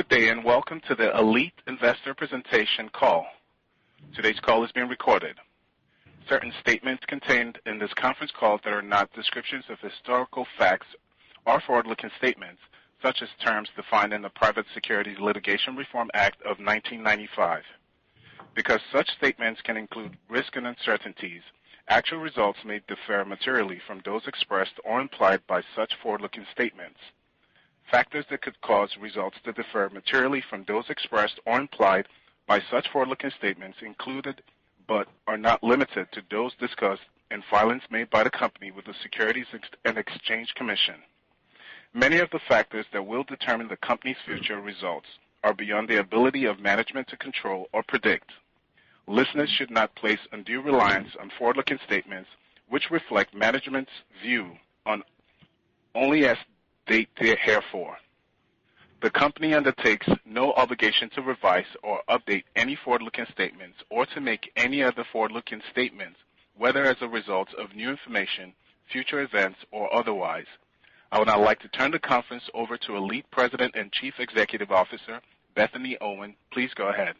Good day, and welcome to the ALLETE investor presentation call. Today's call is being recorded. Certain statements contained in this conference call that are not descriptions of historical facts are forward-looking statements, such as terms defined in the Private Securities Litigation Reform Act of 1995. Because such statements can include risks and uncertainties, actual results may differ materially from those expressed or implied by such forward-looking statements. Factors that could cause results to differ materially from those expressed or implied by such forward-looking statements included, but are not limited to those discussed in filings made by the company with the Securities and Exchange Commission. Many of the factors that will determine the company's future results are beyond the ability of management to control or predict. Listeners should not place undue reliance on forward-looking statements, which reflect management's view only as they heretofore. The company undertakes no obligation to revise or update any forward-looking statements or to make any other forward-looking statements, whether as a result of new information, future events, or otherwise. I would now like to turn the conference over to ALLETE President and Chief Executive Officer, Bethany Owen. Please go ahead.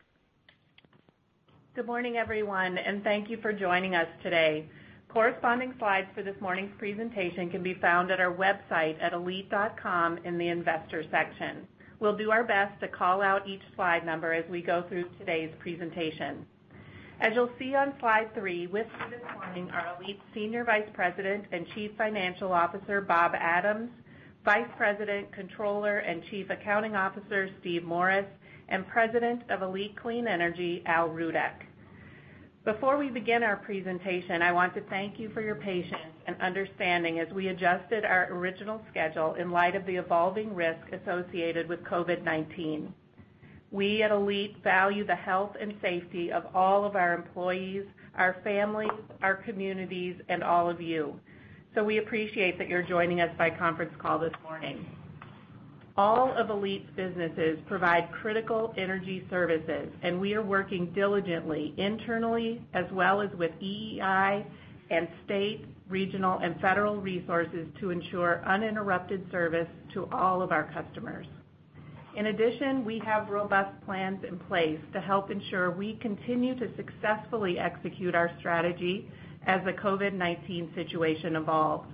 Good morning, everyone, and thank you for joining us today. Corresponding slides for this morning's presentation can be found at our website at allete.com in the Investors section. We'll do our best to call out each slide number as we go through today's presentation. As you'll see on slide three, with me this morning are ALLETE Senior Vice President and Chief Financial Officer, Bob Adams, Vice President, Controller, and Chief Accounting Officer, Steve Morris, and President of ALLETE Clean Energy, Al Rudeck. Before we begin our presentation, I want to thank you for your patience and understanding as we adjusted our original schedule in light of the evolving risk associated with COVID-19. We at ALLETE value the health and safety of all of our employees, our families, our communities, and all of you. We appreciate that you're joining us by conference call this morning. All of ALLETE's businesses provide critical energy services. We are working diligently internally as well as with EEI and state, regional, and federal resources to ensure uninterrupted service to all of our customers. In addition, we have robust plans in place to help ensure we continue to successfully execute our strategy as the COVID-19 situation evolves.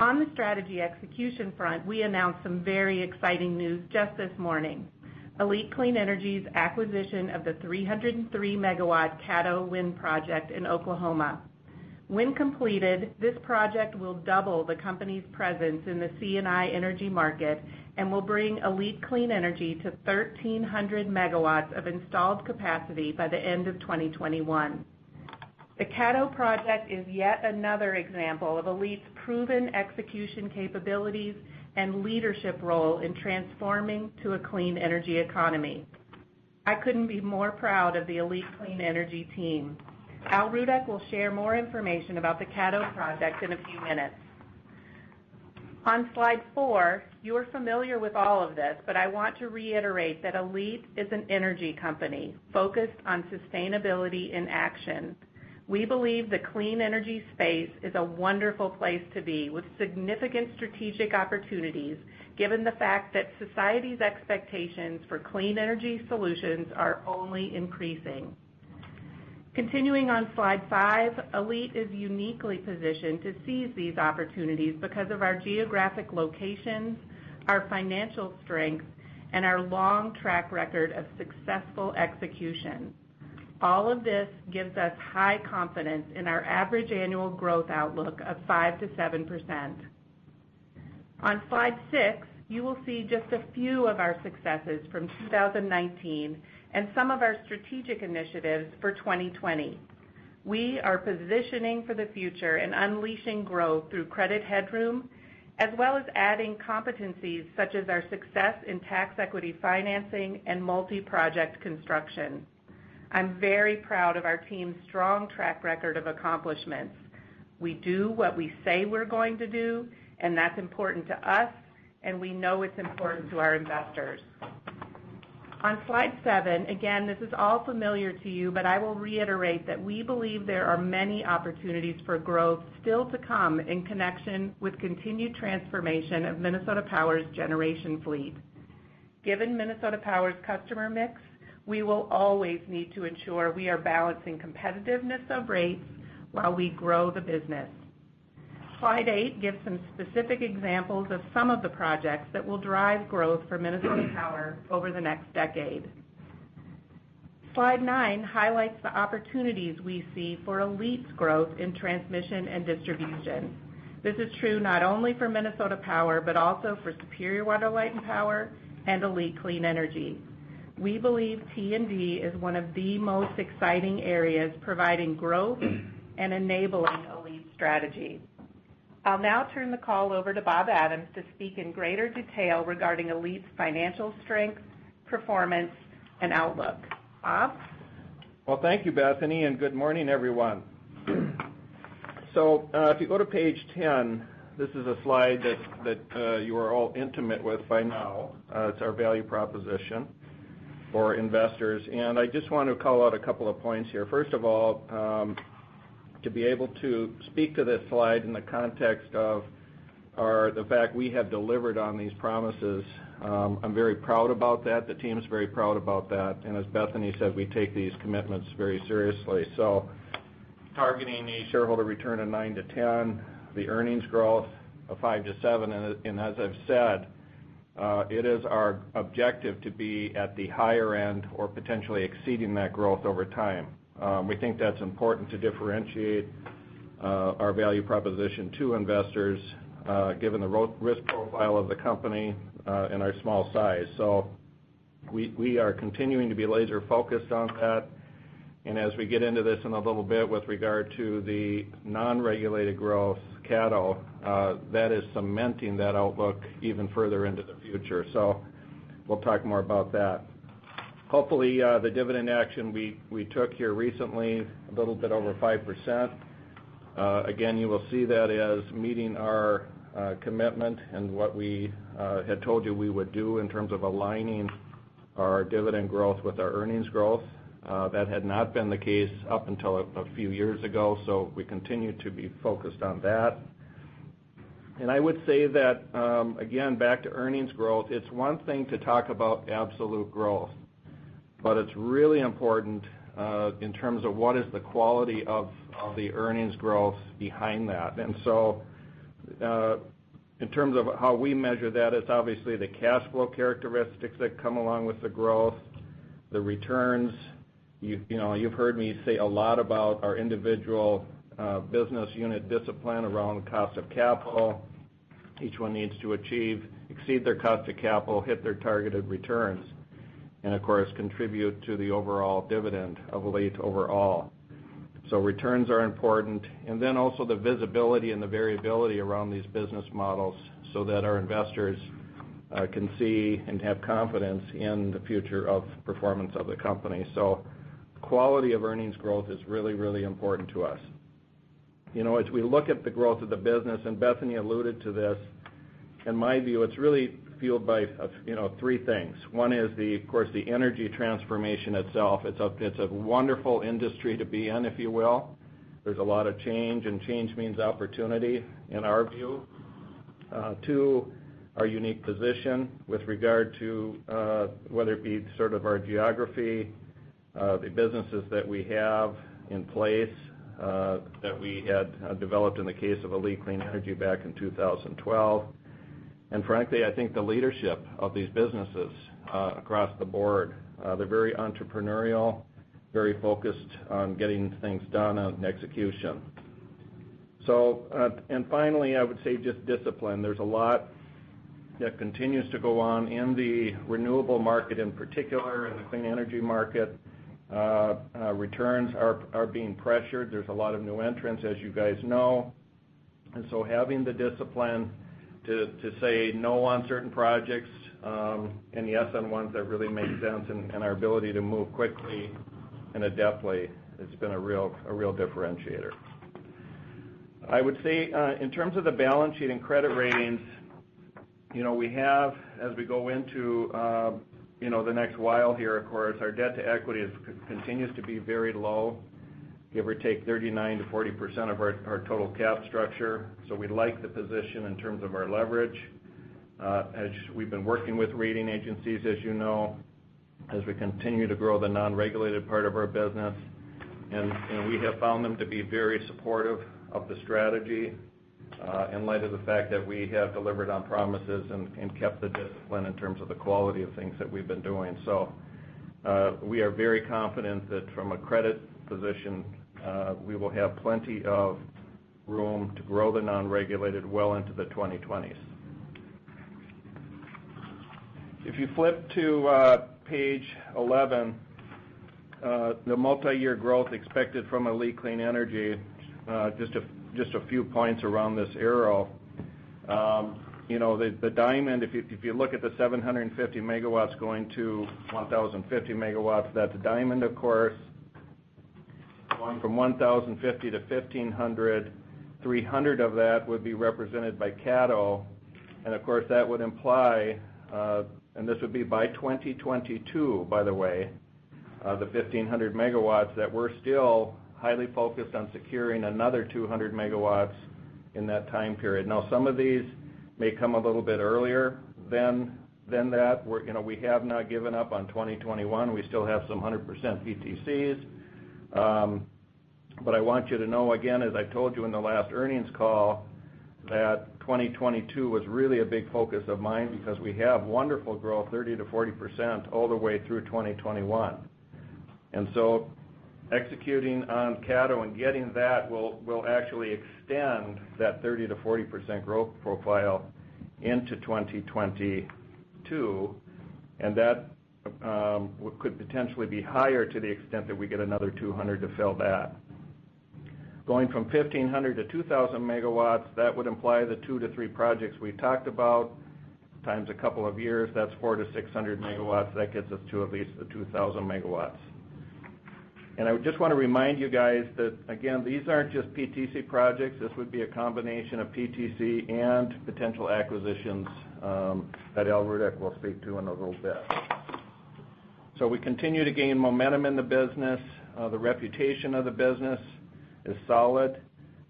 On the strategy execution front, we announced some very exciting news just this morning. ALLETE Clean Energy's acquisition of the 303 MW Caddo Wind project in Oklahoma. When completed, this project will double the company's presence in the C&I energy market and will bring ALLETE Clean Energy to 1,300 MW of installed capacity by the end of 2021. The Caddo project is yet another example of ALLETE's proven execution capabilities and leadership role in transforming to a clean energy economy. I couldn't be more proud of the ALLETE Clean Energy team. Al Rudeck will share more information about the Caddo project in a few minutes. On slide four, you are familiar with all of this, but I want to reiterate that ALLETE is an energy company focused on sustainability in action. We believe the clean energy space is a wonderful place to be with significant strategic opportunities, given the fact that society's expectations for clean energy solutions are only increasing. Continuing on slide five, ALLETE is uniquely positioned to seize these opportunities because of our geographic locations, our financial strength, and our long track record of successful execution. All of this gives us high confidence in our average annual growth outlook of 5%-7%. On slide six, you will see just a few of our successes from 2019 and some of our strategic initiatives for 2020. We are positioning for the future and unleashing growth through credit headroom, as well as adding competencies such as our success in tax equity financing and multi-project construction. I'm very proud of our team's strong track record of accomplishments. We do what we say we're going to do, and that's important to us, and we know it's important to our investors. On slide seven, again, this is all familiar to you, but I will reiterate that we believe there are many opportunities for growth still to come in connection with continued transformation of Minnesota Power's generation fleet. Given Minnesota Power's customer mix, we will always need to ensure we are balancing competitiveness of rates while we grow the business. Slide eight gives some specific examples of some of the projects that will drive growth for Minnesota Power over the next decade. Slide nine highlights the opportunities we see for ALLETE's growth in transmission and distribution. This is true not only for Minnesota Power, but also for Superior Water, Light and Power and ALLETE Clean Energy. We believe T&D is one of the most exciting areas providing growth and enabling ALLETE's strategy. I'll now turn the call over to Bob Adams to speak in greater detail regarding ALLETE's financial strength, performance, and outlook. Bob? Well, thank you, Bethany, and good morning, everyone. If you go to page 10, this is a slide that you are all intimate with by now. It's our value proposition for investors, and I just want to call out a couple of points here. To be able to speak to this slide in the context of the fact we have delivered on these promises, I'm very proud about that. The team is very proud about that. As Bethany said, we take these commitments very seriously. Targeting a shareholder return of 9-10, the earnings growth of five to seven. As I've said, it is our objective to be at the higher end or potentially exceeding that growth over time. We think that's important to differentiate our value proposition to investors, given the risk profile of the company, and our small size. We are continuing to be laser-focused on that. As we get into this in a little bit with regard to the non-regulated growth, Caddo, that is cementing that outlook even further into the future. We'll talk more about that. Hopefully, the dividend action we took here recently, a little bit over 5%. Again, you will see that as meeting our commitment and what we had told you we would do in terms of aligning our dividend growth with our earnings growth. That had not been the case up until a few years ago. We continue to be focused on that. I would say that, again, back to earnings growth, it's one thing to talk about absolute growth, but it's really important in terms of what is the quality of the earnings growth behind that. In terms of how we measure that, it's obviously the cash flow characteristics that come along with the growth, the returns. You've heard me say a lot about our individual business unit discipline around cost of capital. Each one needs to exceed their cost of capital, hit their targeted returns, and of course, contribute to the overall dividend of ALLETE overall. Returns are important, and then also the visibility and the variability around these business models so that our investors can see and have confidence in the future of performance of the company. Quality of earnings growth is really, really important to us. As we look at the growth of the business, and Bethany alluded to this, in my view, it's really fueled by three things. One is, of course, the energy transformation itself. It's a wonderful industry to be in, if you will. There's a lot of change, and change means opportunity in our view. Two, our unique position with regard to whether it be sort of our geography, the businesses that we have in place, that we had developed in the case of ALLETE Clean Energy back in 2012. Frankly, I think the leadership of these businesses across the board, they're very entrepreneurial, very focused on getting things done on execution. Finally, I would say just discipline. There's a lot that continues to go on in the renewable market, in particular in the clean energy market. Returns are being pressured. There's a lot of new entrants, as you guys know. Having the discipline to say no on certain projects, and yes on ones that really make sense, and our ability to move quickly and adeptly, has been a real differentiator. I would say, in terms of the balance sheet and credit ratings, as we go into the next while here, of course, our debt to equity continues to be very low, give or take 39%-40% of our total cap structure. We like the position in terms of our leverage. As we've been working with rating agencies, as you know, as we continue to grow the non-regulated part of our business. We have found them to be very supportive of the strategy, in light of the fact that we have delivered on promises and kept the discipline in terms of the quality of things that we've been doing. We are very confident that from a credit position, we will have plenty of room to grow the non-regulated well into the 2020s. If you flip to page 11, the multi-year growth expected from ALLETE Clean Energy, just a few points around this arrow. The diamond, if you look at the 750 MW going to 1,050 MW, that's a diamond, of course. Going from 1,050-1,500, 300 of that would be represented by Caddo. Of course, that would imply, and this would be by 2022, by the way, the 1,500 MW, that we're still highly focused on securing another 200 MW in that time period. Some of these may come a little bit earlier than that. We have not given up on 2021. We still have some 100% PTCs. I want you to know, again, as I told you in the last earnings call, that 2022 was really a big focus of mine because we have wonderful growth, 30%-40%, all the way through 2021. Executing on Caddo and getting that will actually extend that 30%-40% growth profile into 2022. That could potentially be higher to the extent that we get another 200 to fill that. Going from 1,500-2,000 MW, that would imply the two to three projects we talked about, times a couple of years. That's 400-600 MW. That gets us to at least the 2,000 MW. I just want to remind you guys that, again, these aren't just PTC projects. This would be a combination of PTC and potential acquisitions that Al Rudeck will speak to in a little bit. We continue to gain momentum in the business. The reputation of the business is solid.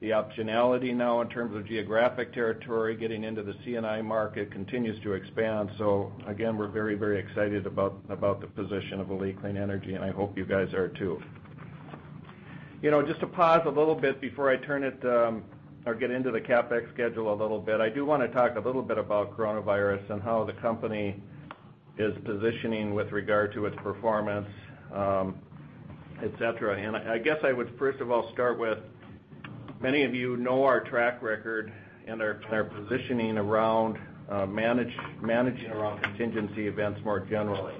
The optionality now in terms of geographic territory, getting into the C&I market continues to expand. Again, we're very excited about the position of ALLETE Clean Energy, and I hope you guys are too. Just to pause a little bit before I turn it, or get into the CapEx schedule a little bit. I do want to talk a little bit about coronavirus and how the company is positioning with regard to its performance, et cetera. I guess I would first of all start with, many of you know our track record and our positioning around managing around contingency events more generally.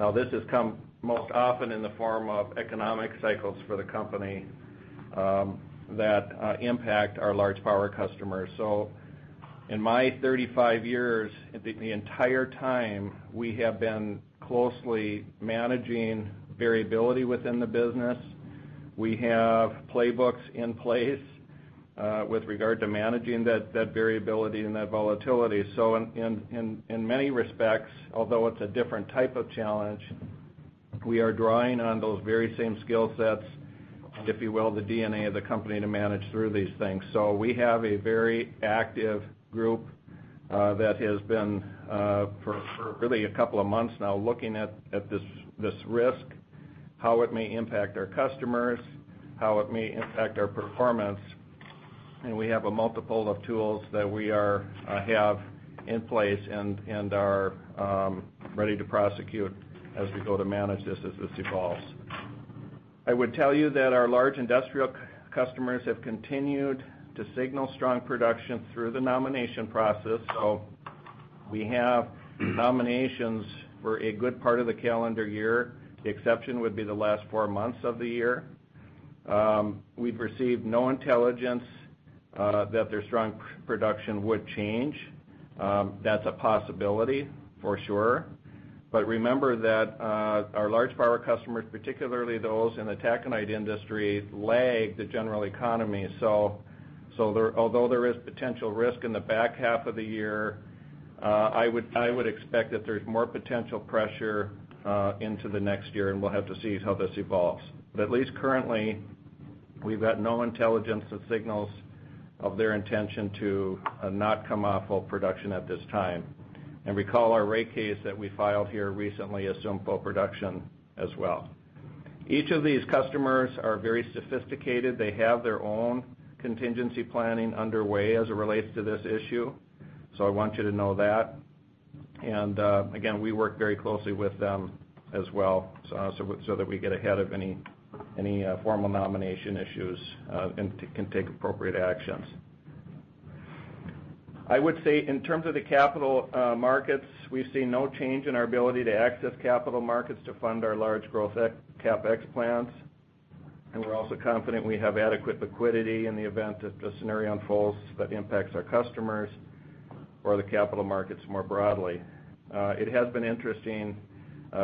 Now, this has come most often in the form of economic cycles for the company that impact our large power customers. In my 35 years, the entire time, we have been closely managing variability within the business. We have playbooks in place with regard to managing that variability and that volatility. In many respects, although it's a different type of challenge, we are drawing on those very same skill sets, if you will, the DNA of the company to manage through these things. We have a very active group that has been for really a couple of months now looking at this risk, how it may impact our customers, how it may impact our performance. We have a multiple of tools that we have in place and are ready to prosecute as we go to manage this as this evolves. I would tell you that our large industrial customers have continued to signal strong production through the nomination process. We have nominations for a good part of the calendar year. The exception would be the last four months of the year. We've received no intelligence that their strong production would change. That's a possibility for sure. Remember that our large power customers, particularly those in the taconite industry, lag the general economy. Although there is potential risk in the back half of the year, I would expect that there's more potential pressure into the next year, and we'll have to see how this evolves. At least currently, we've got no intelligence or signals of their intention to not come off full production at this time. Recall our rate case that we filed here recently assumed full production as well. Each of these customers are very sophisticated. They have their own contingency planning underway as it relates to this issue. I want you to know that. Again, we work very closely with them as well so that we get ahead of any formal nomination issues and can take appropriate actions. I would say in terms of the capital markets, we see no change in our ability to access capital markets to fund our large growth CapEx plans. We're also confident we have adequate liquidity in the event that this scenario unfolds that impacts our customers or the capital markets more broadly. It has been interesting.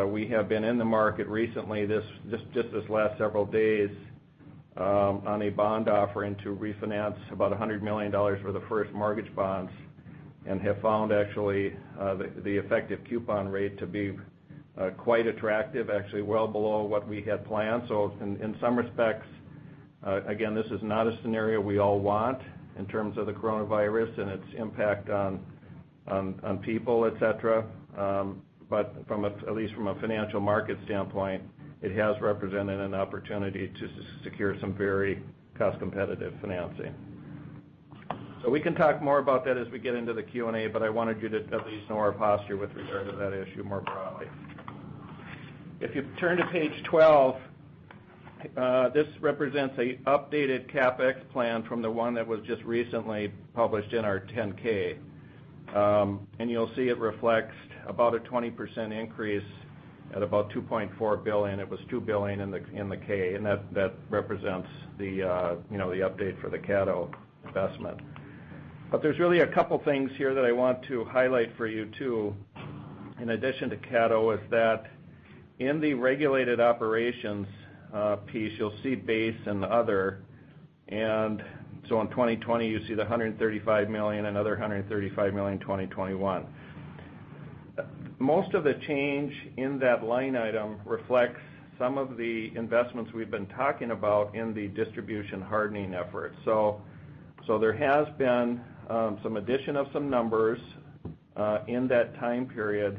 We have been in the market recently, just this last several days, on a bond offering to refinance about $100 million for the first mortgage bonds and have found actually, the effective coupon rate to be quite attractive, actually well below what we had planned. In some respects, again, this is not a scenario we all want in terms of the coronavirus and its impact on people, et cetera. At least from a financial market standpoint, it has represented an opportunity to secure some very cost-competitive financing. We can talk more about that as we get into the Q&A, but I wanted you to at least know our posture with regard to that issue more broadly. If you turn to page 12, this represents a updated CapEx plan from the one that was just recently published in our 10-K. You'll see it reflects about a 20% increase at about $2.4 billion. It was $2 billion in the K, and that represents the update for the Caddo investment. There's really a couple things here that I want to highlight for you, too. In addition to Caddo, is that in the regulated operations piece, you'll see base and other. In 2020, you see the $135 million, another $135 million in 2021. Most of the change in that line item reflects some of the investments we've been talking about in the distribution hardening efforts. There has been some addition of some numbers in that time period,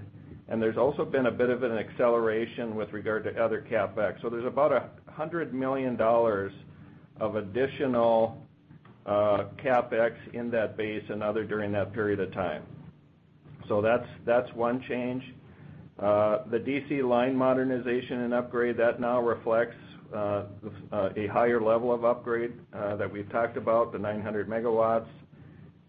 and there's also been a bit of an acceleration with regard to other CapEx. There's about $100 million of additional CapEx in that base and other during that period of time. That's one change. The DC line modernization and upgrade, that now reflects a higher level of upgrade that we've talked about, the 900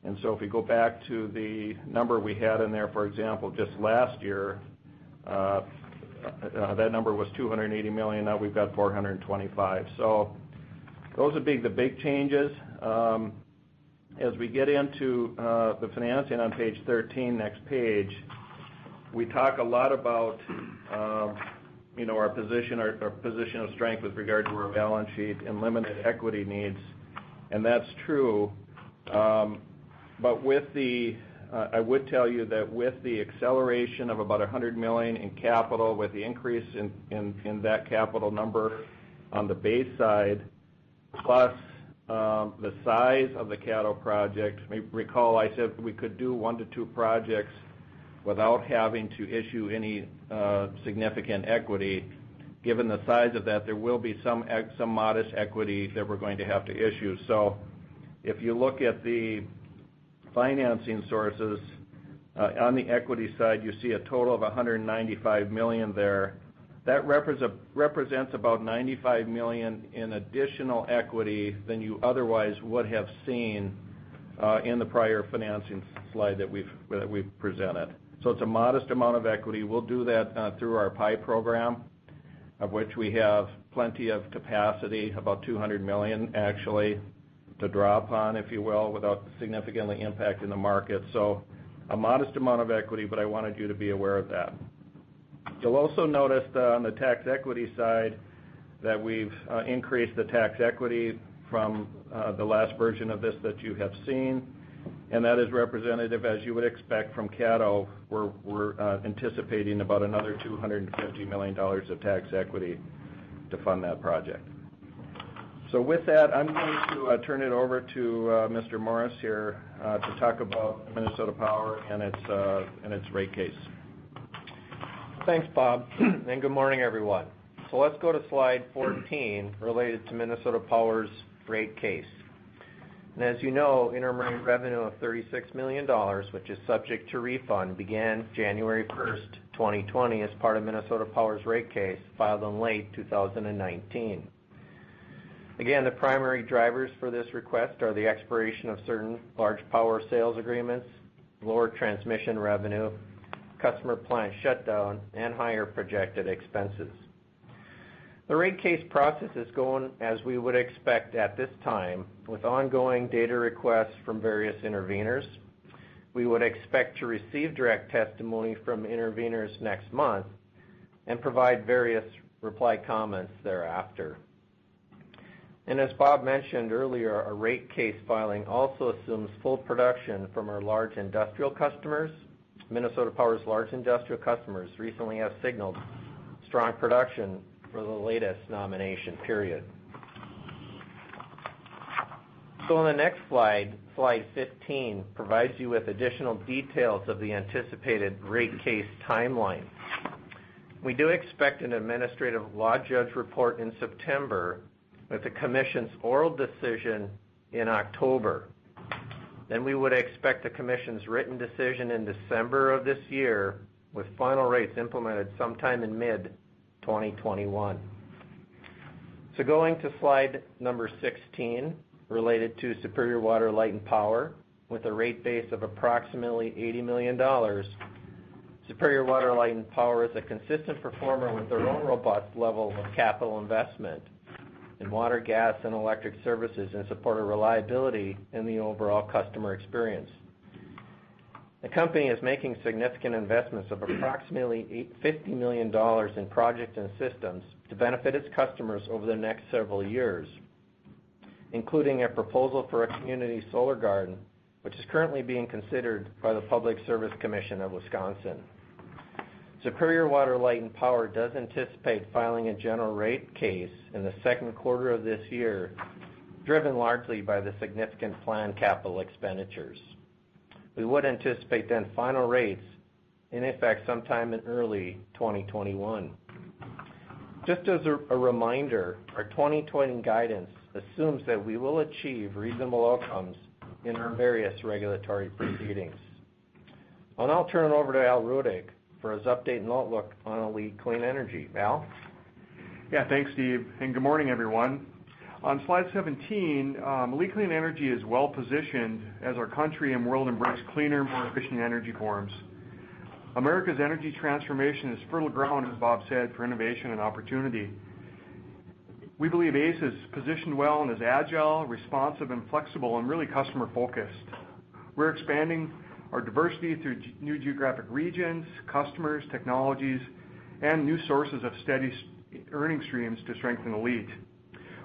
MW. If we go back to the number we had in there, for example, just last year, that number was $280 million. Now we've got $425 million. Those would be the big changes. As we get into the financing on page 13, next page, we talk a lot about our position of strength with regard to our balance sheet and limited equity needs. That's true. I would tell you that with the acceleration of about $100 million in capital, with the increase in that capital number on the base side, plus the size of the Caddo project, recall I said we could do one to two projects without having to issue any significant equity. Given the size of that, there will be some modest equity that we're going to have to issue. If you look at the financing sources on the equity side, you see a total of $195 million there. That represents about $95 million in additional equity than you otherwise would have seen in the prior financing slide that we've presented. It's a modest amount of equity. We'll do that through our PI program, of which we have plenty of capacity, about $200 million actually, to draw upon, if you will, without significantly impacting the market. A modest amount of equity, but I wanted you to be aware of that. You'll also notice on the tax equity side that we've increased the tax equity from the last version of this that you have seen, and that is representative, as you would expect from Caddo. We're anticipating about another $250 million of tax equity to fund that project. With that, I'm going to turn it over to Mr. Morris here to talk about Minnesota Power and its rate case. Thanks, Bob. Good morning, everyone. Let's go to slide 14 related to Minnesota Power's rate case. As you know, interim revenue of $36 million, which is subject to refund, began January 1st, 2020, as part of Minnesota Power's rate case filed in late 2019. Again, the primary drivers for this request are the expiration of certain large power sales agreements, lower transmission revenue, customer plant shutdown, and higher projected expenses. The rate case process is going as we would expect at this time, with ongoing data requests from various interveners. We would expect to receive direct testimony from interveners next month and provide various reply comments thereafter. As Bob mentioned earlier, a rate case filing also assumes full production from our large industrial customers. Minnesota Power's large industrial customers recently have signaled strong production for the latest nomination period. On the next slide 15, provides you with additional details of the anticipated rate case timeline. We do expect an administrative law judge report in September with the commission's oral decision in October. We would expect the commission's written decision in December of this year, with final rates implemented sometime in mid-2021. Going to slide number 16, related to Superior Water, Light and Power, with a rate base of approximately $80 million. Superior Water, Light and Power is a consistent performer with their own robust level of capital investment in water, gas, and electric services in support of reliability in the overall customer experience. The company is making significant investments of approximately $50 million in projects and systems to benefit its customers over the next several years, including a proposal for a community solar garden, which is currently being considered by the Public Service Commission of Wisconsin. Superior Water, Light, and Power does anticipate filing a general rate case in the second quarter of this year, driven largely by the significant planned capital expenditures. We would anticipate final rates in effect sometime in early 2021. Just as a reminder, our 2020 guidance assumes that we will achieve reasonable outcomes in our various regulatory proceedings. I'll now turn it over to Al Rudeck for his update and outlook on ALLETE Clean Energy. Al? Yeah. Thanks, Steve, and good morning, everyone. On slide 17, ALLETE Clean Energy is well-positioned as our country and world embrace cleaner, more efficient energy forms. America's energy transformation is fertile ground, as Bob said, for innovation and opportunity. We believe ACE is positioned well and is agile, responsive, and flexible, and really customer-focused. We're expanding our diversity through new geographic regions, customers, technologies, and new sources of steady earning streams to strengthen ALLETE.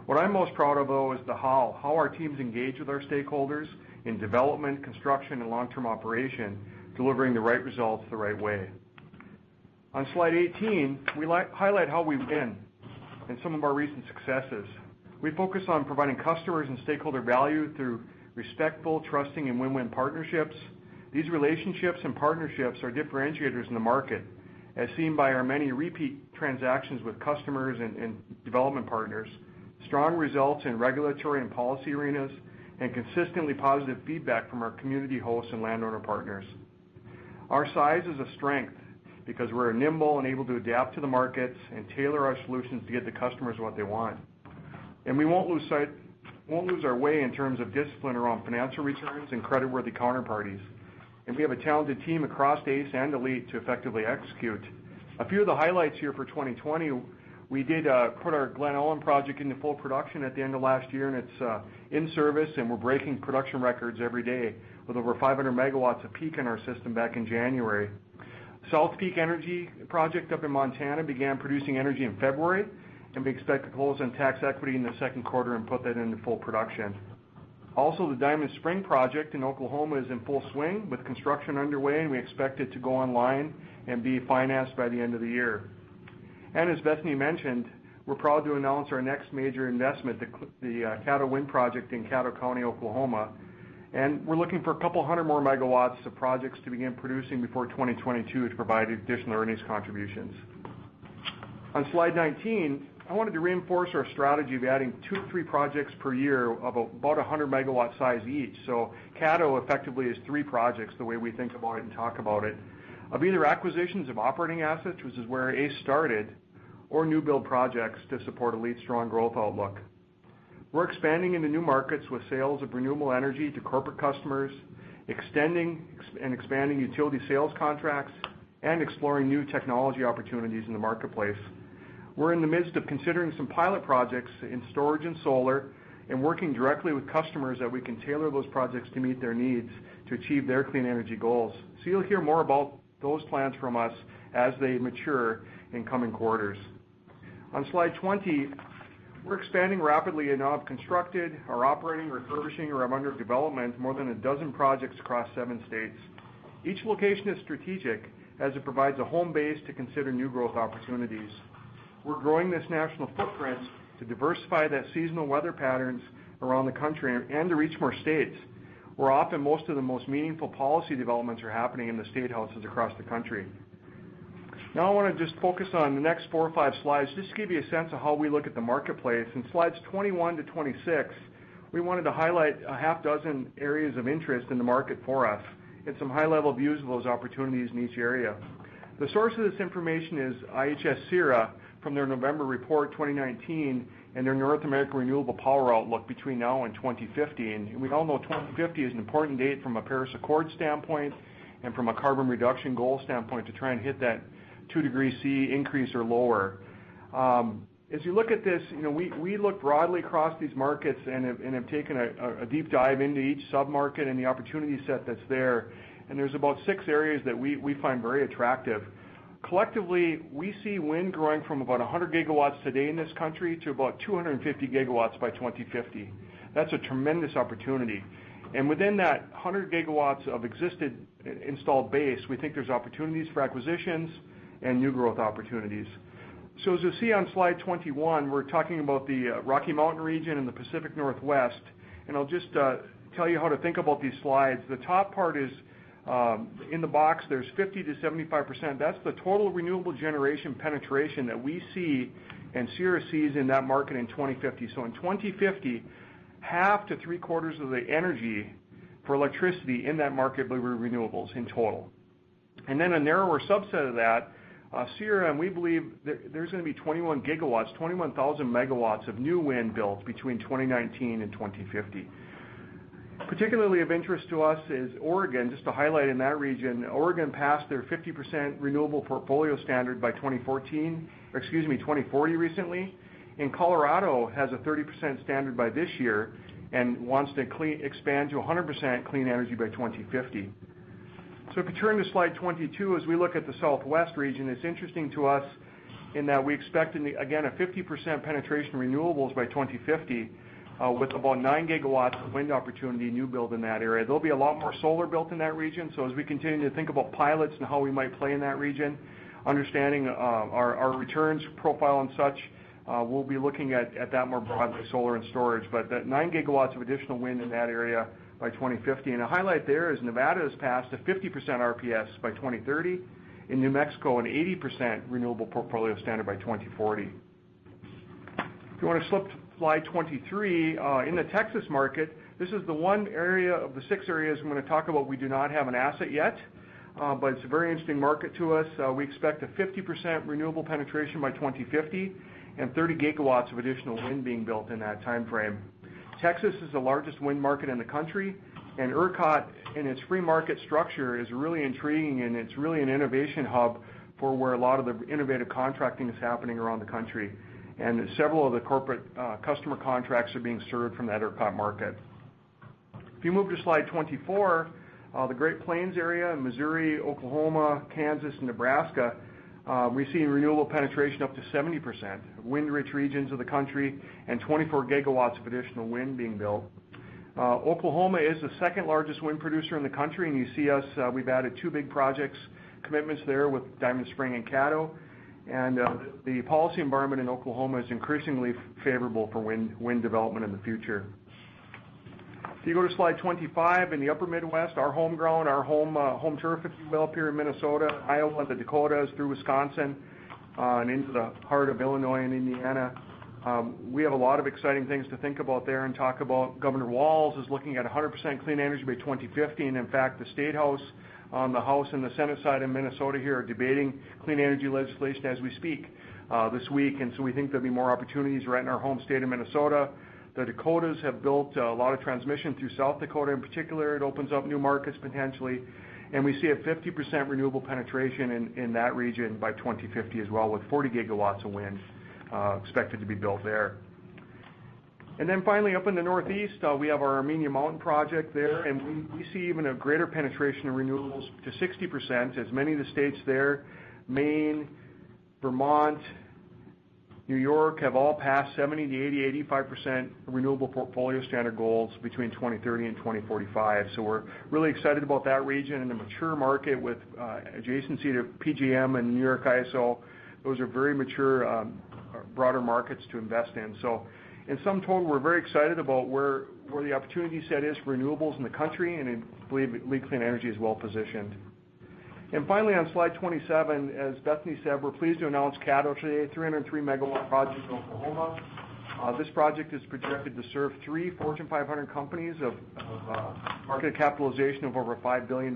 What I'm most proud of, though, is the how. How our teams engage with our stakeholders in development, construction, and long-term operation, delivering the right results the right way. On slide 18, we highlight how we win and some of our recent successes. We focus on providing customers and stakeholder value through respectful, trusting, and win-win partnerships. These relationships and partnerships are differentiators in the market, as seen by our many repeat transactions with customers and development partners, strong results in regulatory and policy arenas, and consistently positive feedback from our community hosts and landowner partners. Our size is a strength because we're nimble and able to adapt to the markets and tailor our solutions to get the customers what they want. We won't lose our way in terms of discipline around financial returns and creditworthy counterparties. We have a talented team across ACE and ALLETE to effectively execute. A few of the highlights here for 2020, we did put our Glen Ullin project into full production at the end of last year, and it's in service, and we're breaking production records every day. With over 500 MW of peak in our system back in January. South Peak Energy project up in Montana began producing energy in February, and we expect to close on tax equity in the second quarter and put that into full production. The Diamond Spring project in Oklahoma is in full swing with construction underway, and we expect it to go online and be financed by the end of the year. As Bethany mentioned, we're proud to announce our next major investment, the Caddo Wind project in Caddo County, Oklahoma. We're looking for a couple of hundred more megawatts of projects to begin producing before 2022 to provide additional earnings contributions. On slide 19, I wanted to reinforce our strategy of adding two or three projects per year of about 100 MW size each. Caddo effectively is three projects, the way we think about it and talk about it. Of either acquisitions of operating assets, which is where ACE started, or new build projects to support ALLETE's strong growth outlook. We're expanding into new markets with sales of renewable energy to corporate customers, extending and expanding utility sales contracts, and exploring new technology opportunities in the marketplace. We're in the midst of considering some pilot projects in storage and solar, and working directly with customers that we can tailor those projects to meet their needs to achieve their clean energy goals. You'll hear more about those plans from us as they mature in coming quarters. On slide 20, we're expanding rapidly and now have constructed or operating, refurbishing, or have under development, more than a dozen projects across seven states. Each location is strategic, as it provides a home base to consider new growth opportunities. We're growing this national footprint to diversify the seasonal weather patterns around the country and to reach more states, where often most of the most meaningful policy developments are happening in the state houses across the country. Now I want to just focus on the next four or five slides, just to give you a sense of how we look at the marketplace. In slides 21-26, we wanted to highlight a half dozen areas of interest in the market for us and some high-level views of those opportunities in each area. The source of this information is IHS CERA from their November report 2019, and their North American Renewable Power Outlook between now and 2050. We all know 2050 is an important date from a Paris Agreement standpoint and from a carbon reduction goal standpoint to try and hit that 2 degrees C increase or lower. As you look at this, we look broadly across these markets and have taken a deep dive into each sub-market and the opportunity set that's there. There's about six areas that we find very attractive. Collectively, we see wind growing from about 100 GW today in this country to about 250 GW by 2050. That's a tremendous opportunity. Within that 100 GW of existed installed base, we think there's opportunities for acquisitions and new growth opportunities. As you'll see on slide 21, we're talking about the Rocky Mountain region and the Pacific Northwest, and I'll just tell you how to think about these slides. The top part is, in the box, there's 50%-75%. That's the total renewable generation penetration that we see and CERA sees in that market in 2050. In 2050, half to three-quarters of the energy for electricity in that market will be renewables in total. A narrower subset of that, CERA and we believe there's going to be 21 GW, 21,000 MW of new wind built between 2019 and 2050. Particularly of interest to us is Oregon. Just to highlight in that region, Oregon passed their 50% renewable portfolio standard by 2040 recently. Colorado has a 30% standard by this year and wants to expand to 100% clean energy by 2050. If you turn to slide 22, as we look at the Southwest region, it's interesting to us in that we expect, again, a 50% penetration renewables by 2050, with about 9 GW of wind opportunity new build in that area. There'll be a lot more solar built in that region. As we continue to think about pilots and how we might play in that region, understanding our returns profile and such, we'll be looking at that more broadly, solar and storage. 9 GW of additional wind in that area by 2050. A highlight there is Nevada has passed a 50% RPS by 2030. In New Mexico, an 80% renewable portfolio standard by 2040. If you want to flip to slide 23, in the Texas market, this is the one area of the six areas I'm going to talk about we do not have an asset yet. It's a very interesting market to us. We expect a 50% renewable penetration by 2050 and 30 GW of additional wind being built in that timeframe. Texas is the largest wind market in the country. ERCOT in its free market structure is really intriguing, and it's really an innovation hub for where a lot of the innovative contracting is happening around the country. Several of the corporate customer contracts are being served from that ERCOT market. If you move to slide 24, the Great Plains area, Missouri, Oklahoma, Kansas, and Nebraska, we're seeing renewable penetration up to 70%, wind-rich regions of the country. 24 GW of additional wind being built. Oklahoma is the second-largest wind producer in the country. You see us, we've added two big projects, commitments there with Diamond Spring and Caddo. The policy environment in Oklahoma is increasingly favorable for wind development in the future. If you go to slide 25, in the upper Midwest, our home ground, our home turf, if you will, up here in Minnesota, Iowa, the Dakotas, through Wisconsin, and into the heart of Illinois and Indiana. We have a lot of exciting things to think about there and talk about. Governor Walz is looking at 100% clean energy by 2050. In fact, the State House, the House and the Senate side in Minnesota here are debating clean energy legislation as we speak this week. We think there'll be more opportunities right in our home state of Minnesota. The Dakotas have built a lot of transmission through South Dakota in particular. It opens up new markets potentially, and we see a 50% renewable penetration in that region by 2050 as well, with 40 GW of wind expected to be built there. Finally, up in the Northeast, we have our Armenia Mountain project there, and we see even a greater penetration of renewables to 60%, as many of the states there, Maine, Vermont, New York, have all passed 70%-80%, 85% renewable portfolio standard goals between 2030 and 2045. We're really excited about that region and the mature market with adjacency to PJM and NYISO. Those are very mature, broader markets to invest in. In sum total, we're very excited about where the opportunity set is for renewables in the country, and we believe ALLETE Clean Energy is well-positioned. Finally, on slide 27, as Bethany said, we're pleased to announce Caddo today, a 303 MW project in Oklahoma. This project is projected to serve three Fortune 500 companies of market capitalization of over $5 billion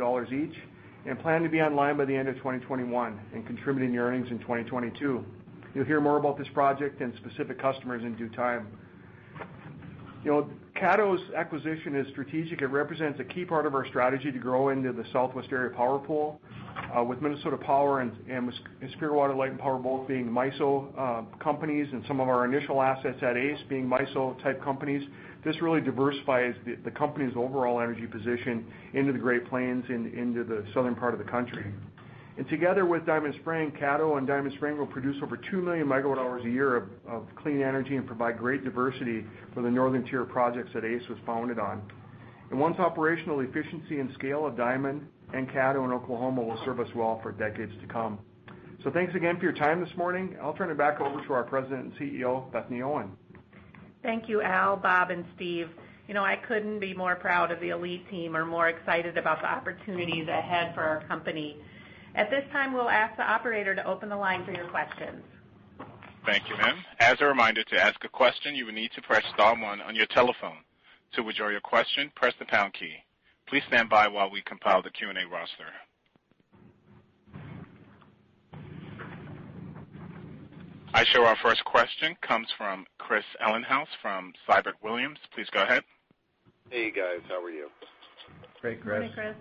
each, and plan to be online by the end of 2021, and contributing to earnings in 2022. You'll hear more about this project and specific customers in due time. Caddo's acquisition is strategic. It represents a key part of our strategy to grow into the Southwest Power Pool. With Minnesota Power and Superior Water, Light and Power both being MISO companies, and some of our initial assets at ACE being MISO-type companies, this really diversifies the company's overall energy position into the Great Plains and into the southern part of the country. Together with Diamond Spring, Caddo and Diamond Spring will produce over 2 million MW hours a year of clean energy and provide great diversity for the northern tier of projects that ACE was founded on. Once operational, the efficiency and scale of Diamond and Caddo in Oklahoma will serve us well for decades to come. Thanks again for your time this morning. I'll turn it back over to our President and CEO, Bethany Owen. Thank you, Al, Bob, and Steve. I couldn't be more proud of the ALLETE team or more excited about the opportunities ahead for our company. At this time, we'll ask the operator to open the line for your questions. Thank you, ma'am. As a reminder, to ask a question, you will need to press star one on your telephone. To withdraw your question, press the pound key. Please stand by while we compile the Q&A roster. I show our first question comes from Chris Ellinghaus from Siebert Williams Shank. Please go ahead. Hey, guys. How are you? Great, Chris. Hey, Chris.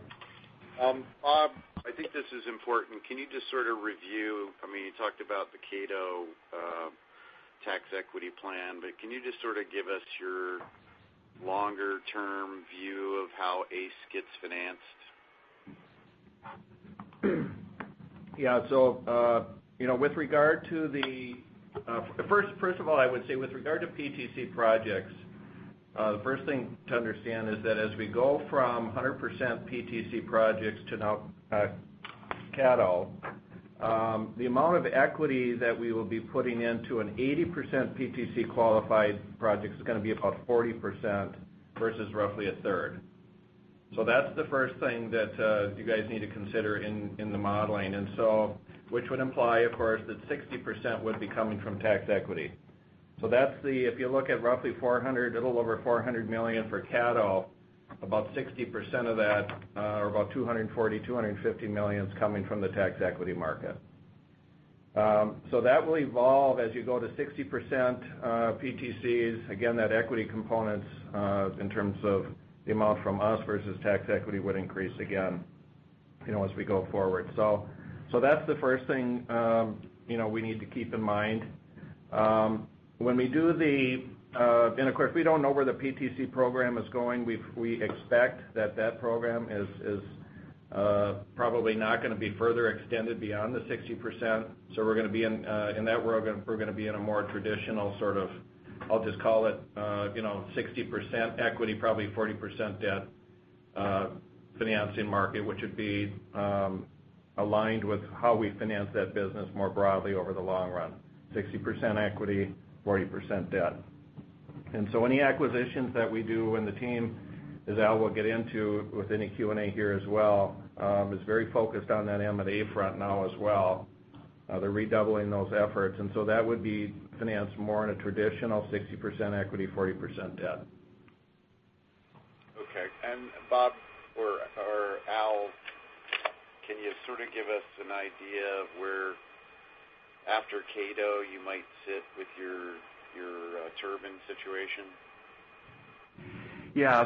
Bob, I think this is important. Can you just sort of review, you talked about the Caddo tax equity plan, but can you just give us your longer-term view of how ACE gets financed? First of all, I would say, with regard to PTC projects, the first thing to understand is that as we go from 100% PTC projects to now Caddo, the amount of equity that we will be putting into an 80% PTC-qualified project is going to be about 40%, versus roughly a third. That's the first thing that you guys need to consider in the modeling. Which would imply, of course, that 60% would be coming from tax equity. If you look at a little over $400 million for Caddo, about 60% of that, or about $240 million-$250 million is coming from the tax equity market. That will evolve as you go to 60% PTCs. Again, that equity component, in terms of the amount from us versus tax equity, would increase again as we go forward. That's the first thing we need to keep in mind. Of course, we don't know where the PTC program is going. We expect that that program is probably not going to be further extended beyond the 60%, so we're going to be in a more traditional sort of, I'll just call it, 60% equity, probably 40% debt financing market, which would be aligned with how we finance that business more broadly over the long run, 60% equity, 40% debt. Any acquisitions that we do, and the team, as Al will get into with any Q&A here as well, is very focused on that M&A front now as well. They're redoubling those efforts. That would be financed more in a traditional 60% equity, 40% debt. Okay. Bob or Al, can you give us an idea of where, after Caddo, you might sit with your turbine situation? Yeah.